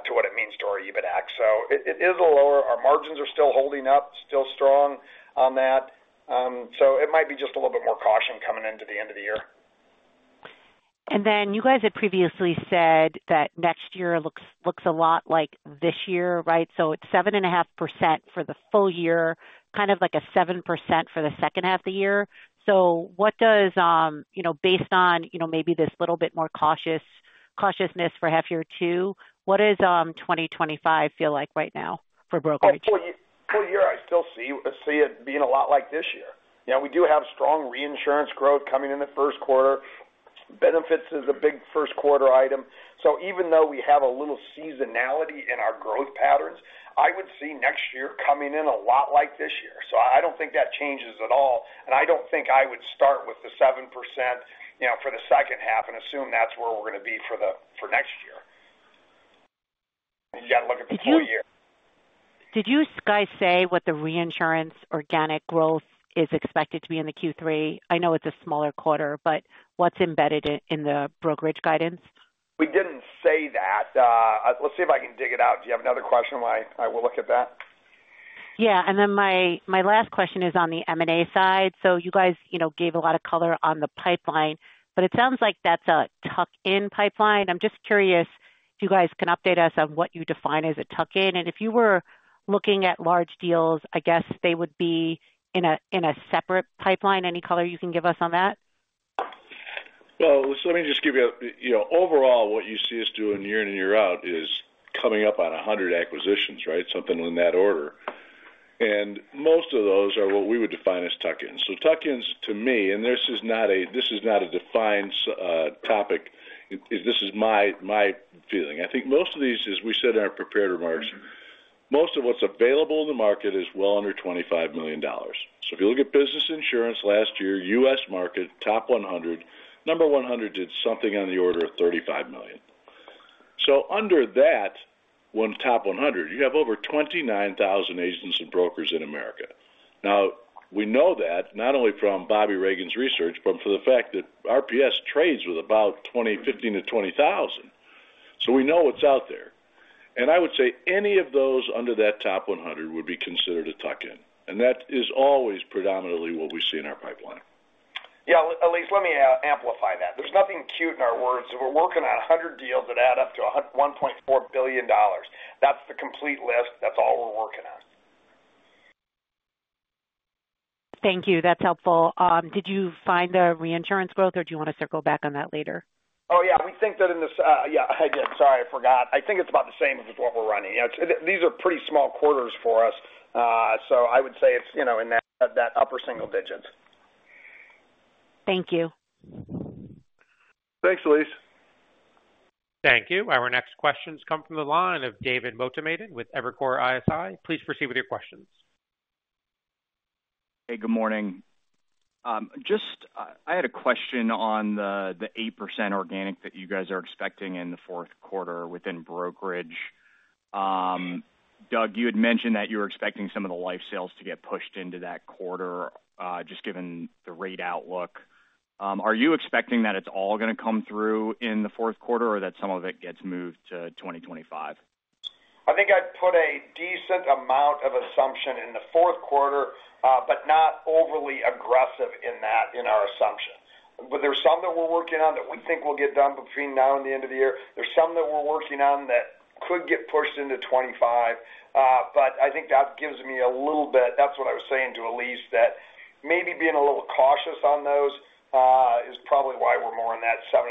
Speaker 8: to what it means to our EBITDAC. So it is a lower... Our margins are still holding up still strong on that. So it might be just a little bit more caution coming into the end of the year.
Speaker 9: And then you guys had previously said that next year looks a lot like this year, right? So it's 7.5% for the full year, like a 7% for the second half of the year. So what does, you know, based on, you know, maybe this little bit more cautiousness for half year two, what does 2025 feel like right now for brokerage?
Speaker 8: For the full year, I still see it being a lot like this year. You know, we do have strong reinsurance growth coming in the Q1. Benefits is a big Q1 item. So even though we have a little seasonality in our growth patterns, I would see next year coming in a lot like this year. So I don't think that changes at all, and I don't think I would start with the 7%, you know, for the second half and assume that's where we're going to be for next year. You got to look at the full year.
Speaker 9: Did you guys say what the reinsurance organic growth is expected to be in the Q3? I know it's a smaller quarter, but what's embedded in the brokerage guidance?
Speaker 8: We didn't say that. Let's see if I can dig it out. Do you have another question while I will look at that?
Speaker 9: And then my last question is on the M&A side. So you guys, you know, gave a lot of color on the pipeline, but it sounds like that's a tuck-in pipeline. I'm just curious if you guys can update us on what you define as a tuck-in, and if you were looking at large deals, I guess they would be in a separate pipeline. Any color you can give us on that?
Speaker 2: Let me just give you a... You know, overall, what you see us doing year in and year out is coming up on 100 acquisitions, right? Something in that order. Most of those are what we would define as tuck-ins. Tuck-ins to me, and this is not a defined topic. This is my feeling. I think most of these, as we said in our prepared remarks, most of what's available in the market is well under $25 million. If you look at Business Insurance last year, U.S. market, top 100, number 100 did something on the order of $35 million. Under that one top 100, you have over 29,000 agents and brokers in America. Now, we know that not only from Bobby Reagan's research, but from the fact that RPS trades with about twenty-five to twenty thousand. So we know what's out there. And I would say any of those under that top one hundred would be considered a tuck-in, and that is always predominantly what we see in our pipeline.
Speaker 8: Elise, let me amplify that. There's nothing cute in our words. We're working on 100 deals that add up to $1.4 billion. That's the complete list. That's all we're working on.
Speaker 9: Thank you. That's helpful. Did you find the reinsurance growth, or do you want to circle back on that later?
Speaker 8: We think that in this I did. Sorry, I forgot. I think it's about the same as what we're running. You know, these are pretty small quarters for us, so I would say it's, you know, in that, that upper single digit.
Speaker 9: Thank you.
Speaker 2: Thanks, Elise.
Speaker 1: Thank you. Our next questions come from the line of David Motamedi with Evercore ISI. Please proceed with your questions.
Speaker 10: Hey, good morning. Just, I had a question on the 8% organic that you guys are expecting in the Q4 within brokerage. Doug, you had mentioned that you were expecting some of the life sales to get pushed into that quarter, just given the rate outlook. Are you expecting that it's all going to come through in the Q4 or that some of it gets moved to 2025?
Speaker 8: I think I'd put a decent amount of assumption in the Q4, but not overly aggressive in that in our assumption. But there's some that we're working on that we think will get done between now and the end of the year. There's some that we're working on that could get pushed into 2025, but I think that gives me a little bit... That's what I was saying to Elise, that maybe being a little cautious on those is probably why we're more in that 7.5%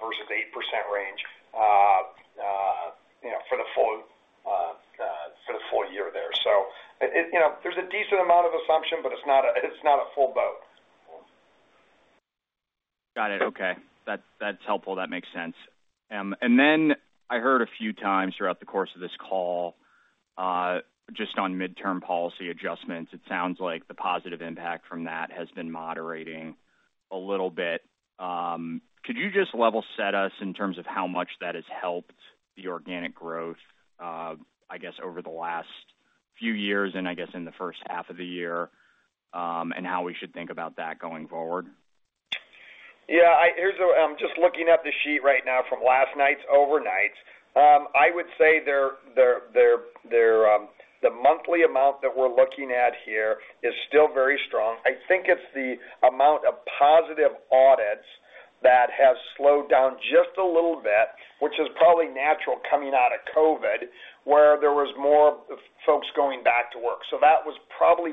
Speaker 8: versus 8% range, you know, for the full year there. So, it you know, there's a decent amount of assumption, but it's not a full boat.
Speaker 10: Got it. Okay. That's helpful. That makes sense. And then I heard a few times throughout the course of this call, just on midterm policy adjustments, it sounds like the positive impact from that has been moderating a little bit. Could you just level set us in terms of how much that has helped the organic growth, I guess, over the last few years and I guess in the first half of the year, and how we should think about that going forward?
Speaker 8: Here's a, I'm just looking at the sheet right now from last night's overnights. I would say the monthly amount that we're looking at here is still very strong. I think it's the amount of positive audits that has slowed down just a little bit, which is probably natural coming out of COVID, where there was more folks going back to work. So that was probably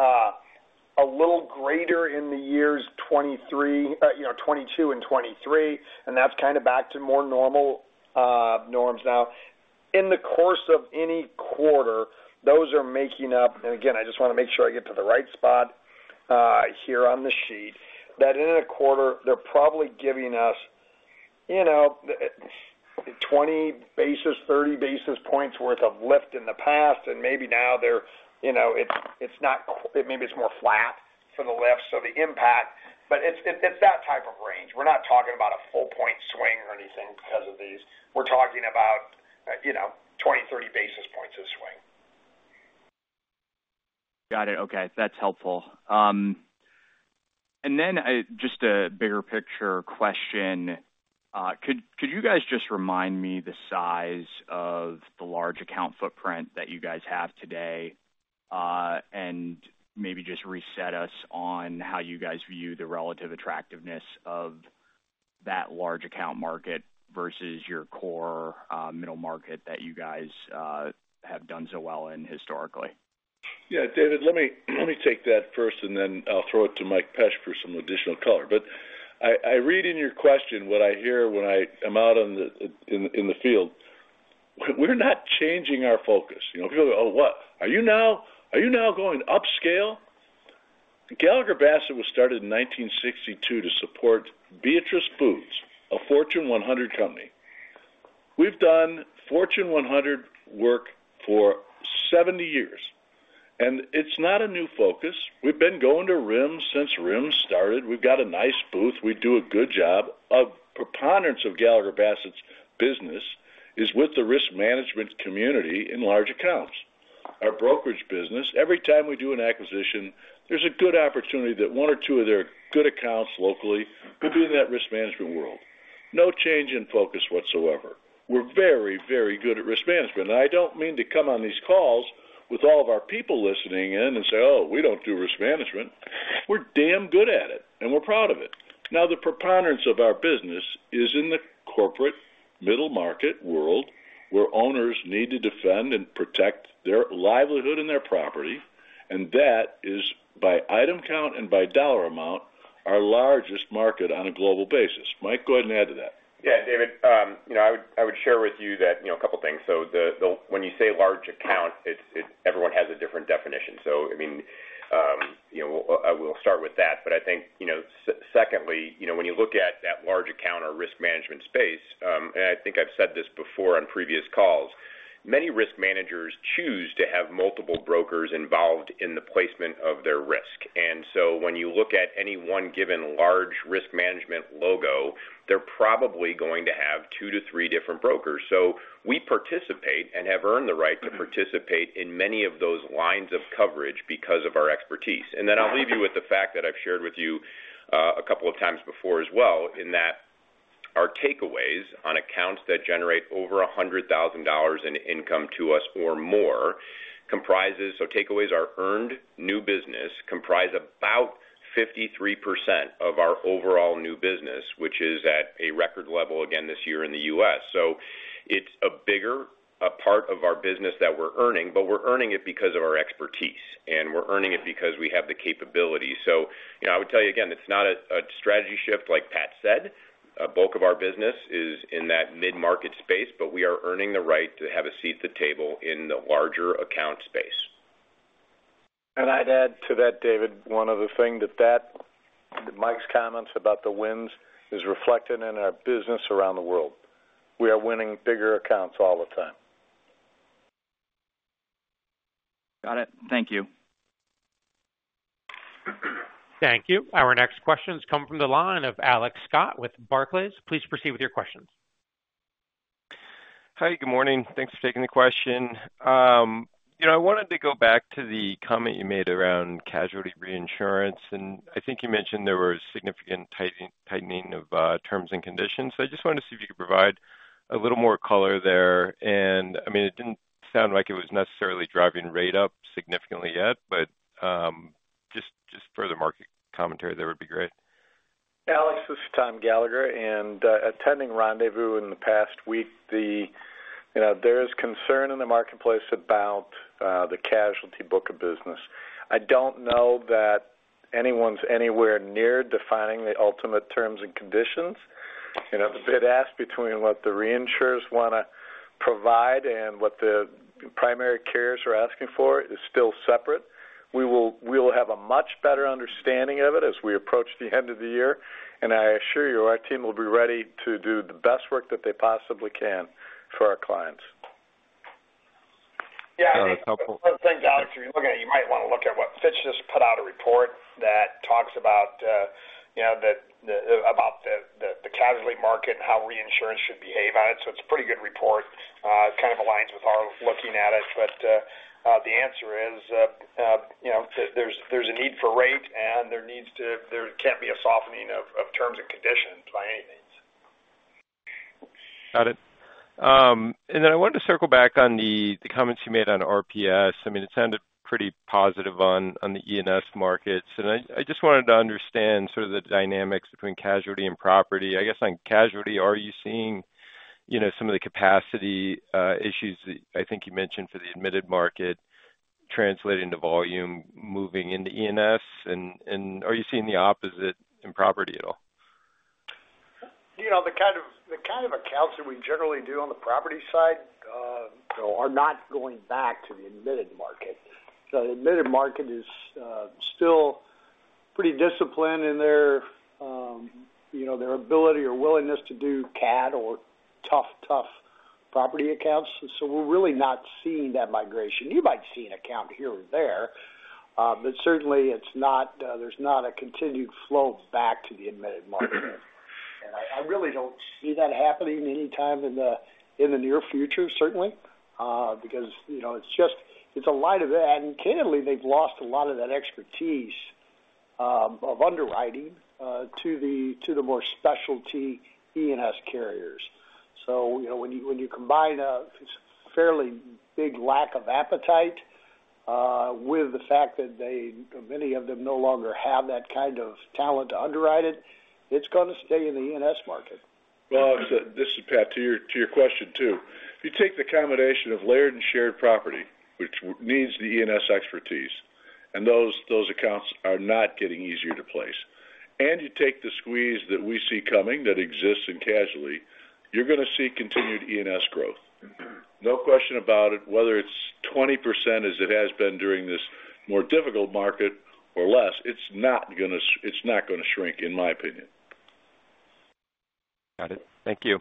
Speaker 8: a little greater in the years 2023, you know, 2022 and 2023, and that's back to more normal norms now. In the course of any quarter, those are making up, and again, I just want to make sure I get to the right spot, here on the sheet, that in a quarter, they're probably giving us, you know, twenty, thirty basis points worth of lift in the past, and maybe now they're, you know, it's, it's not, maybe it's more flat to the left, so the impact, but it's, it's that type of range. We're not talking about a full point swing or anything because of these. We're talking about, you know, twenty, thirty basis points of swing.
Speaker 10: Got it. Okay, that's helpful. And then, just a bigger picture question. Could you guys just remind me the size of the large account footprint that you guys have today, and maybe just reset us on how you guys view the relative attractiveness of that large account market versus your core, middle market that you guys have done so well in historically?
Speaker 2: David, let me take that first, and then I'll throw it to Mike Pesch for some additional color. But I read in your question what I hear when I am out in the field. We're not changing our focus. You know, people go, "Oh, what? Are you now going upscale?" Gallagher Bassett was started in 1962 to support Beatrice Foods, a Fortune 100 company. We've done Fortune 100 work for 70 years, and it's not a new focus. We've been going to RIMS since RIMS started. We've got a nice booth. We do a good job. A preponderance of Gallagher Bassett's business is with the risk management community in large accounts. Our brokerage business, every time we do an acquisition, there's a good opportunity that one or two of their good accounts locally could be in that risk management world. No change in focus whatsoever. We're very, very good at risk management, and I don't mean to come on these calls with all of our people listening in and say, "Oh, we don't do risk management." We're damn good at it, and we're proud of it. Now, the preponderance of our business is in the corporate middle market world, where owners need to defend and protect their livelihood and their property, and that is by item count and by dollar amount, our largest market on a global basis. Mike, go ahead and add to that.
Speaker 3: David, you know, I would share with you that, you know, a couple of things. So the when you say large account, it's everyone has a different definition. So I mean, you know, we'll start with that. But I think, you know, secondly, you know, when you look at that large account or risk management space, and I think I've said this before on previous calls, many risk managers choose to have multiple brokers involved in the placement of their risk. And so when you look at any one given large risk management logo, they're probably going to have two to three different brokers. So we participate and have earned the right to participate in many of those lines of coverage because of our expertise. And then I'll leave you with the fact that I've shared with you a couple of times before as well, in that- ... our takeaways on accounts that generate over $100,000 in income to us or more comprises, so takeaways are earned new business, comprise about 53% of our overall new business, which is at a record level again this year in the U.S. So it's a bigger part of our business that we're earning, but we're earning it because of our expertise, and we're earning it because we have the capability. So, you know, I would tell you again, it's not a strategy shift like Pat said. A bulk of our business is in that mid-market space, but we are earning the right to have a seat at the table in the larger account space.
Speaker 5: I'd add to that, David, one other thing, that Mike's comments about the wins is reflected in our business around the world. We are winning bigger accounts all the time.
Speaker 10: Got it. Thank you.
Speaker 1: Thank you. Our next question is coming from the line of Alex Scott with Barclays. Please proceed with your questions.
Speaker 11: Hi, good morning. Thanks for taking the question. You know, I wanted to go back to the comment you made around casualty reinsurance, and I think you mentioned there were significant tightening of terms and conditions. So I just wanted to see if you could provide a little more color there. And, I mean, it didn't sound like it was necessarily driving rate up significantly yet, but just further market commentary there would be great.
Speaker 5: Alex, this is Tom Gallagher, and attending Rendezvous in the past week, you know, there is concern in the marketplace about the casualty book of business. I don't know that anyone's anywhere near defining the ultimate terms and conditions. You know, the bid ask between what the reinsurers wanna provide and what the primary carriers are asking for is still separate. We will, we will have a much better understanding of it as we approach the end of the year, and I assure you, our team will be ready to do the best work that they possibly can for our clients.
Speaker 11: That's helpful.
Speaker 3: Thanks, Alex. If you're looking at it, you might want to look at what Fitch just put out, a report that talks about, you know, the casualty market and how reinsurance should behave on it. So it's a pretty good report. It aligns with our looking at it, but the answer is, you know, there's a need for rate, and there can't be a softening of terms and conditions by any means.
Speaker 11: Got it. And then I wanted to circle back on the comments you made on RPS. I mean, it sounded pretty positive on the E&S markets, and I just wanted to understand the dynamics between casualty and property. I guess, on casualty, are you seeing, you know, some of the capacity issues that I think you mentioned for the admitted market translating to volume, moving into E&S? And are you seeing the opposite in property at all?
Speaker 3: You know, the accounts that we generally do on the property side, so are not going back to the admitted market. So the admitted market is, still pretty disciplined in their, you know, their ability or willingness to do cat or tough, tough property accounts, so we're really not seeing that migration. You might see an account here or there, but certainly, it's not, there's not a continued flow back to the admitted market. And I really don't see that happening anytime in the near future, certainly, because, you know, it's just, it's a lot of it, and candidly, they've lost a lot of that expertise, of underwriting, to the more specialty E&S carriers. You know, when you combine a fairly big lack of appetite with the fact that they, many of them no longer have that talent to underwrite it, it's gonna stay in the E&S market.
Speaker 2: This is Pat, to your question, too. If you take the combination of layered and shared property, which needs the E&S expertise, and those accounts are not getting easier to place, and you take the squeeze that we see coming that exists in casualty, you're gonna see continued E&S growth. No question about it, whether it's 20%, as it has been during this more difficult market or less, it's not gonna shrink, in my opinion.
Speaker 11: Got it. Thank you.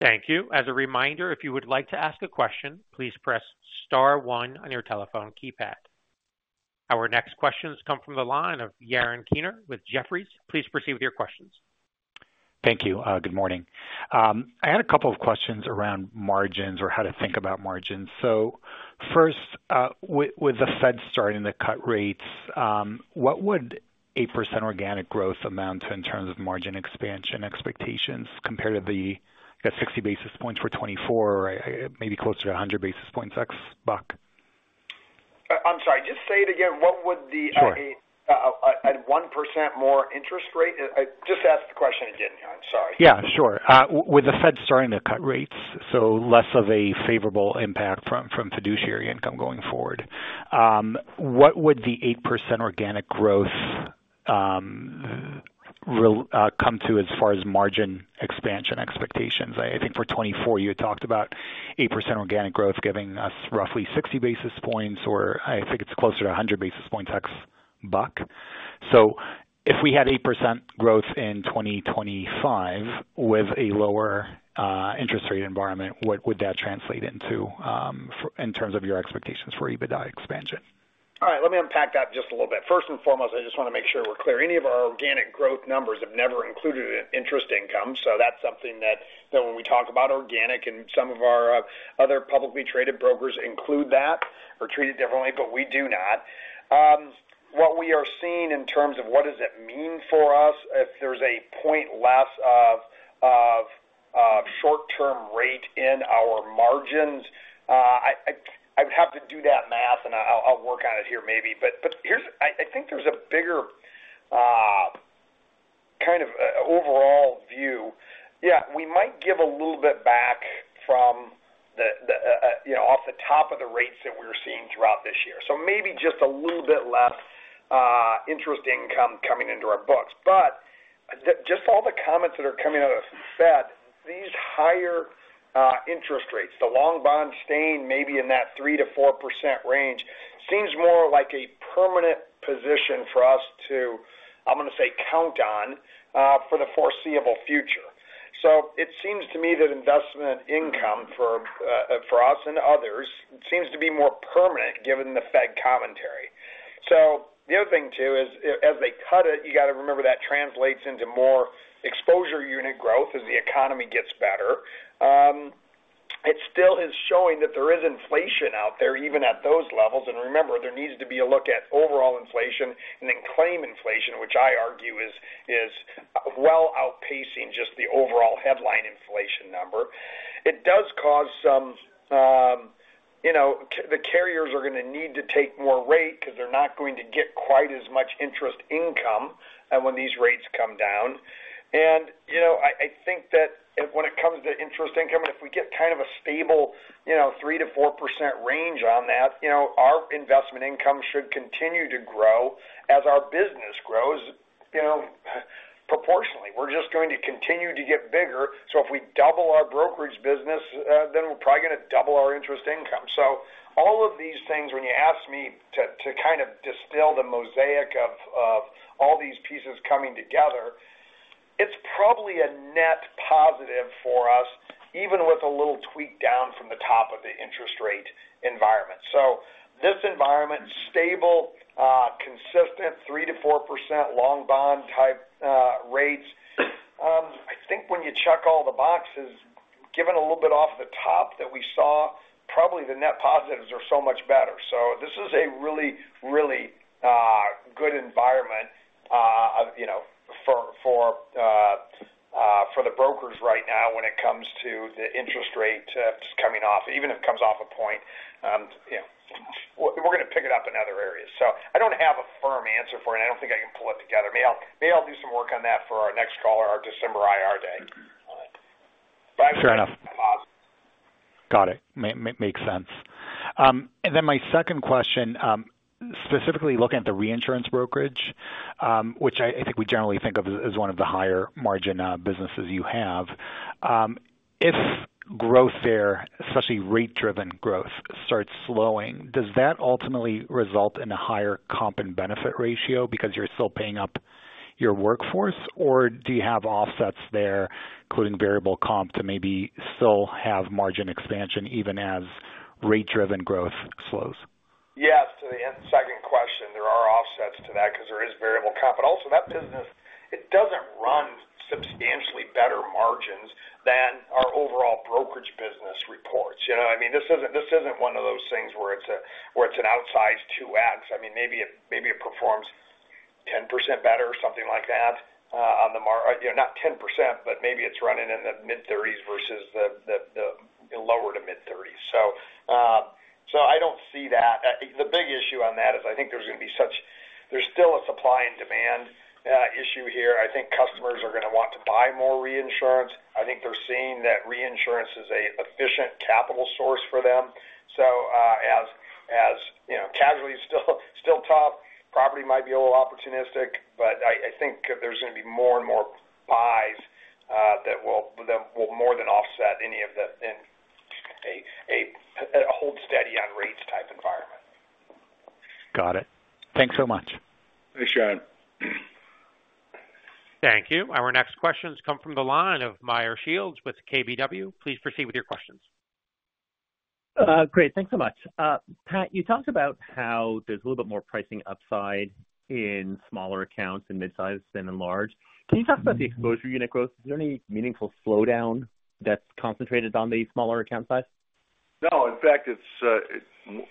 Speaker 1: Thank you. As a reminder, if you would like to ask a question, please press star one on your telephone keypad. Our next question has come from the line of Yaron Kinar with Jefferies. Please proceed with your questions.
Speaker 12: Thank you. Good morning. I had a couple of questions around margins or how to think about margins. So first, with the Fed starting to cut rates, what would 8% organic growth amount to in terms of margin expansion expectations compared to the 60 basis points for 2024, or maybe closer to 100 basis points ex-buck?
Speaker 3: I'm sorry, just say it again. What would be the-
Speaker 12: Sure.
Speaker 3: At 1% more interest rate? Just ask the question again. I'm sorry.
Speaker 12: Sure. With the Fed starting to cut rates, so less of a favorable impact from fiduciary income going forward, what would the 8% organic growth come to as far as margin expansion expectations? I think for 2024, you had talked about 8% organic growth, giving us roughly 60 basis points, or I think it's closer to 100 basis points X buck. So if we had 8% growth in 2025 with a lower interest rate environment, what would that translate into in terms of your expectations for EBITDA expansion?
Speaker 8: All right, let me unpack that just a little bit. First and foremost, I just want to make sure we're clear. Any of our organic growth numbers have never included interest income, so that's something that when we talk about organic, and some of our other publicly traded brokers include that or treat it differently, but we do not. What we are seeing in terms of what does it mean for us if there's a point less of,... short-term rate in our margins, I’d have to do that math, and I’ll work on it here maybe. But here’s, I think there’s a bigger overall view. We might give a little bit back from the, you know, off the top of the rates that we’re seeing throughout this year. So maybe just a little bit less interest income coming into our books. But just all the comments that are coming out of Fed, these higher interest rates, the long bond staying maybe in that 3%-4% range, seems more like a permanent position for us to, I’m going to say, count on for the foreseeable future. So it seems to me that investment income for us and others seems to be more permanent given the Fed commentary. So the other thing, too, is as they cut it, you got to remember that translates into more exposure unit growth as the economy gets better. It still is showing that there is inflation out there, even at those levels. And remember, there needs to be a look at overall inflation and then claim inflation, which I argue is well outpacing just the overall headline inflation number. It does cause some, you know, the carriers are going to need to take more rate because they're not going to get quite as much interest income, when these rates come down. And, you know, I think that when it comes to interest income, and if we get a stable, you know, 3%-4% range on that, you know, our investment income should continue to grow as our business grows, you know, proportionately. We're just going to continue to get bigger, so if we double our brokerage business, then we're probably going to double our interest income. So all of these things, when you ask me to distill the mosaic of all these pieces coming together, it's probably a net positive for us, even with a little tweak down from the top of the interest rate environment. So this environment, stable, consistent, 3-4% long bond type rates, I think when you check all the boxes, given a little bit off the top that we saw, probably the net positives are so much better. So this is a really, really good environment, you know, for the brokers right now when it comes to the interest rates coming off, even if it comes off a point. We're going to pick it up in other areas. So I don't have a firm answer for it. I don't think I can pull it together. Maybe I'll do some work on that for our next call or our December IR day.
Speaker 12: Fair enough. Got it. Makes sense. And then my second question, specifically looking at the reinsurance brokerage, which I think we generally think of as one of the higher margin businesses you have. If growth there, especially rate-driven growth, starts slowing, does that ultimately result in a higher comp and benefit ratio because you're still paying up your workforce, or do you have offsets there, including variable comp, that maybe still have margin expansion even as rate-driven growth slows?
Speaker 8: Yes, to the end, second question, there are offsets to that because there is variable comp, but also that business, it doesn't run substantially better margins than our overall brokerage business reports. You know, I mean, this isn't one of those things where it's an outsized 2x. I mean, maybe it performs 10% better or something like that, not 10%, but maybe it's running in the mid-thirties versus the lower to mid-thirties. I don't see that. The big issue on that is I think there's going to be. There's still a supply and demand issue here. I think customers are going to want to buy more reinsurance. I think they're seeing that reinsurance is a efficient capital source for them. As you know, casualty is still tough, property might be a little opportunistic, but I think there's going to be more and more buys that will more than offset any of the in a hold steady on rates type environment.
Speaker 12: Got it. Thanks so much.
Speaker 8: Thanks, Sean.
Speaker 1: Thank you. Our next questions come from the line of Meyer Shields with KBW. Please proceed with your questions.
Speaker 13: Great. Thanks so much. Pat, you talked about how there's a little bit more pricing upside in smaller accounts and midsize than in large. Can you talk about the exposure unit growth? Is there any meaningful slowdown that's concentrated on the smaller account size?
Speaker 2: No, in fact, it's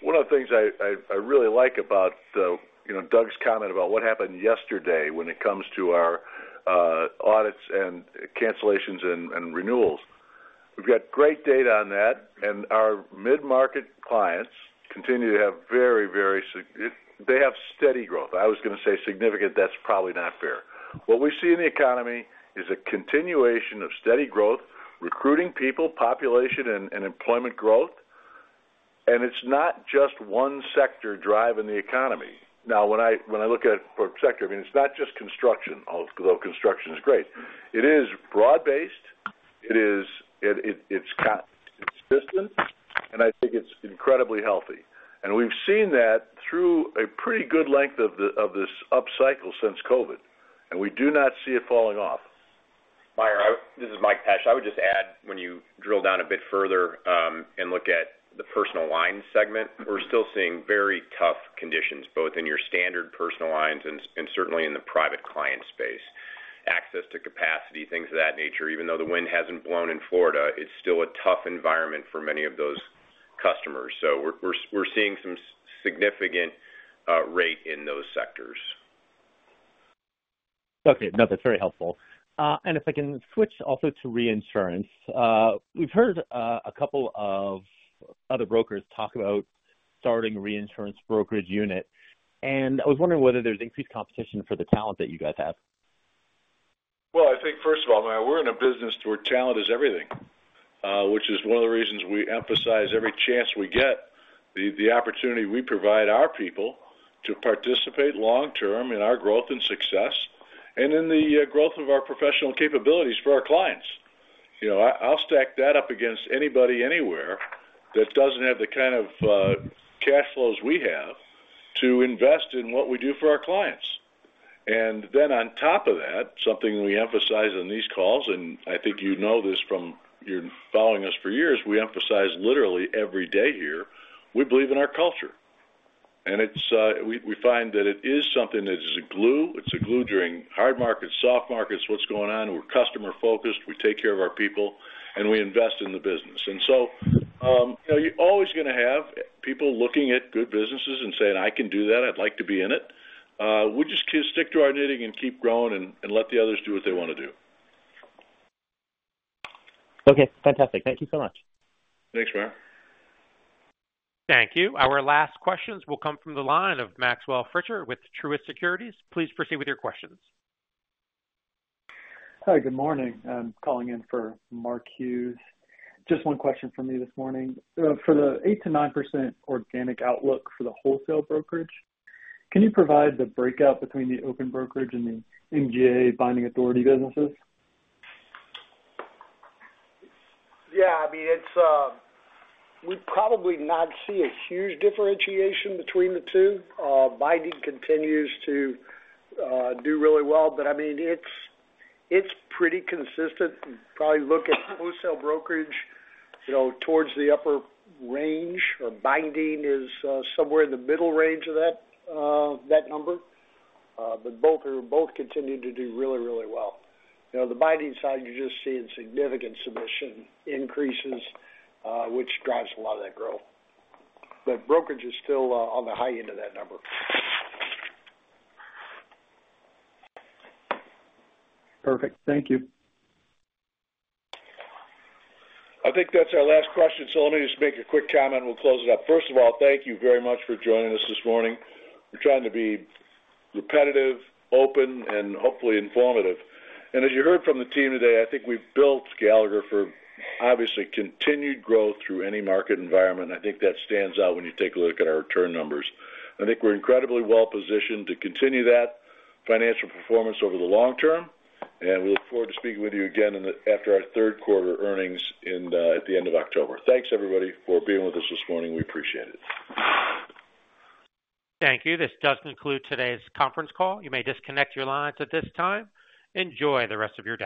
Speaker 2: one of the things I really like about the, you know, Doug's comment about what happened yesterday when it comes to our audits and cancellations and renewals. We've got great data on that, and our mid-market clients continue to have steady growth. I was going to say significant. That's probably not fair. What we see in the economy is a continuation of steady growth, recruiting people, population and employment growth, and it's not just one sector driving the economy. Now, when I look at it per sector, I mean, it's not just construction, although construction is great. It is broad-based, it is consistent, and I think it's incredibly healthy. We've seen that through a pretty good length of this upcycle since COVID, and we do not see it falling off.
Speaker 3: Meyer, this is Mike Pesch. I would just add, when you drill down a bit further and look at the personal line segment, we're still seeing very tough conditions, both in your standard personal lines and certainly in the private client space. Access to capacity, things of that nature. Even though the wind hasn't blown in Florida, it's still a tough environment for many of those customers. So we're seeing some significant rate in those sectors....
Speaker 13: Okay. No, that's very helpful. And if I can switch also to reinsurance. We've heard a couple of other brokers talk about starting a reinsurance brokerage unit, and I was wondering whether there's increased competition for the talent that you guys have?
Speaker 2: I think first of all, we're in a business where talent is everything, which is one of the reasons we emphasize every chance we get, the opportunity we provide our people to participate long term in our growth and success and in the growth of our professional capabilities for our clients. You know, I'll stack that up against anybody, anywhere that doesn't have the cash flows we have to invest in what we do for our clients. And then on top of that, something we emphasize on these calls, and I think you know this from your following us for years, we emphasize literally every day here, we believe in our culture. And it's, we find that it is something that is a glue. It's a glue during hard markets, soft markets, what's going on. We're customer focused, we take care of our people, and we invest in the business. And so, you know, you're always gonna have people looking at good businesses and saying, "I can do that. I'd like to be in it." We just stick to our knitting and keep growing and let the others do what they wanna do.
Speaker 13: Okay, fantastic. Thank you so much.
Speaker 2: Thanks, Mark.
Speaker 1: Thank you. Our last questions will come from the line of Maxwell Fritcher with Truist Securities. Please proceed with your questions.
Speaker 14: Hi, good morning. I'm calling in for Mark Hughes. Just one question from me this morning. For the 8%-9% organic outlook for the wholesale brokerage, can you provide the breakout between the open brokerage and the MGA binding authority businesses?
Speaker 4: It's, we probably not see a huge differentiation between the two. Binding continues to do really well, but I mean, it's, it's pretty consistent. Probably look at wholesale brokerage, you know, towards the upper range, or binding is somewhere in the middle range of that, that number. But both are both continuing to do really, really well. You know, the binding side, you're just seeing significant submission increases, which drives a lot of that growth. But brokerage is still on the high end of that number.
Speaker 14: Perfect. Thank you.
Speaker 2: I think that's our last question, so let me just make a quick comment, and we'll close it up. First of all, thank you very much for joining us this morning. We're trying to be repetitive, open, and hopefully informative. And as you heard from the team today, I think we've built Gallagher for obviously continued growth through any market environment. I think that stands out when you take a look at our return numbers. I think we're incredibly well positioned to continue that financial performance over the long term, and we look forward to speaking with you again after our Q3 earnings at the end of October. Thanks, everybody, for being with us this morning. We appreciate it.
Speaker 1: Thank you. This does conclude today's conference call. You may disconnect your lines at this time. Enjoy the rest of your day.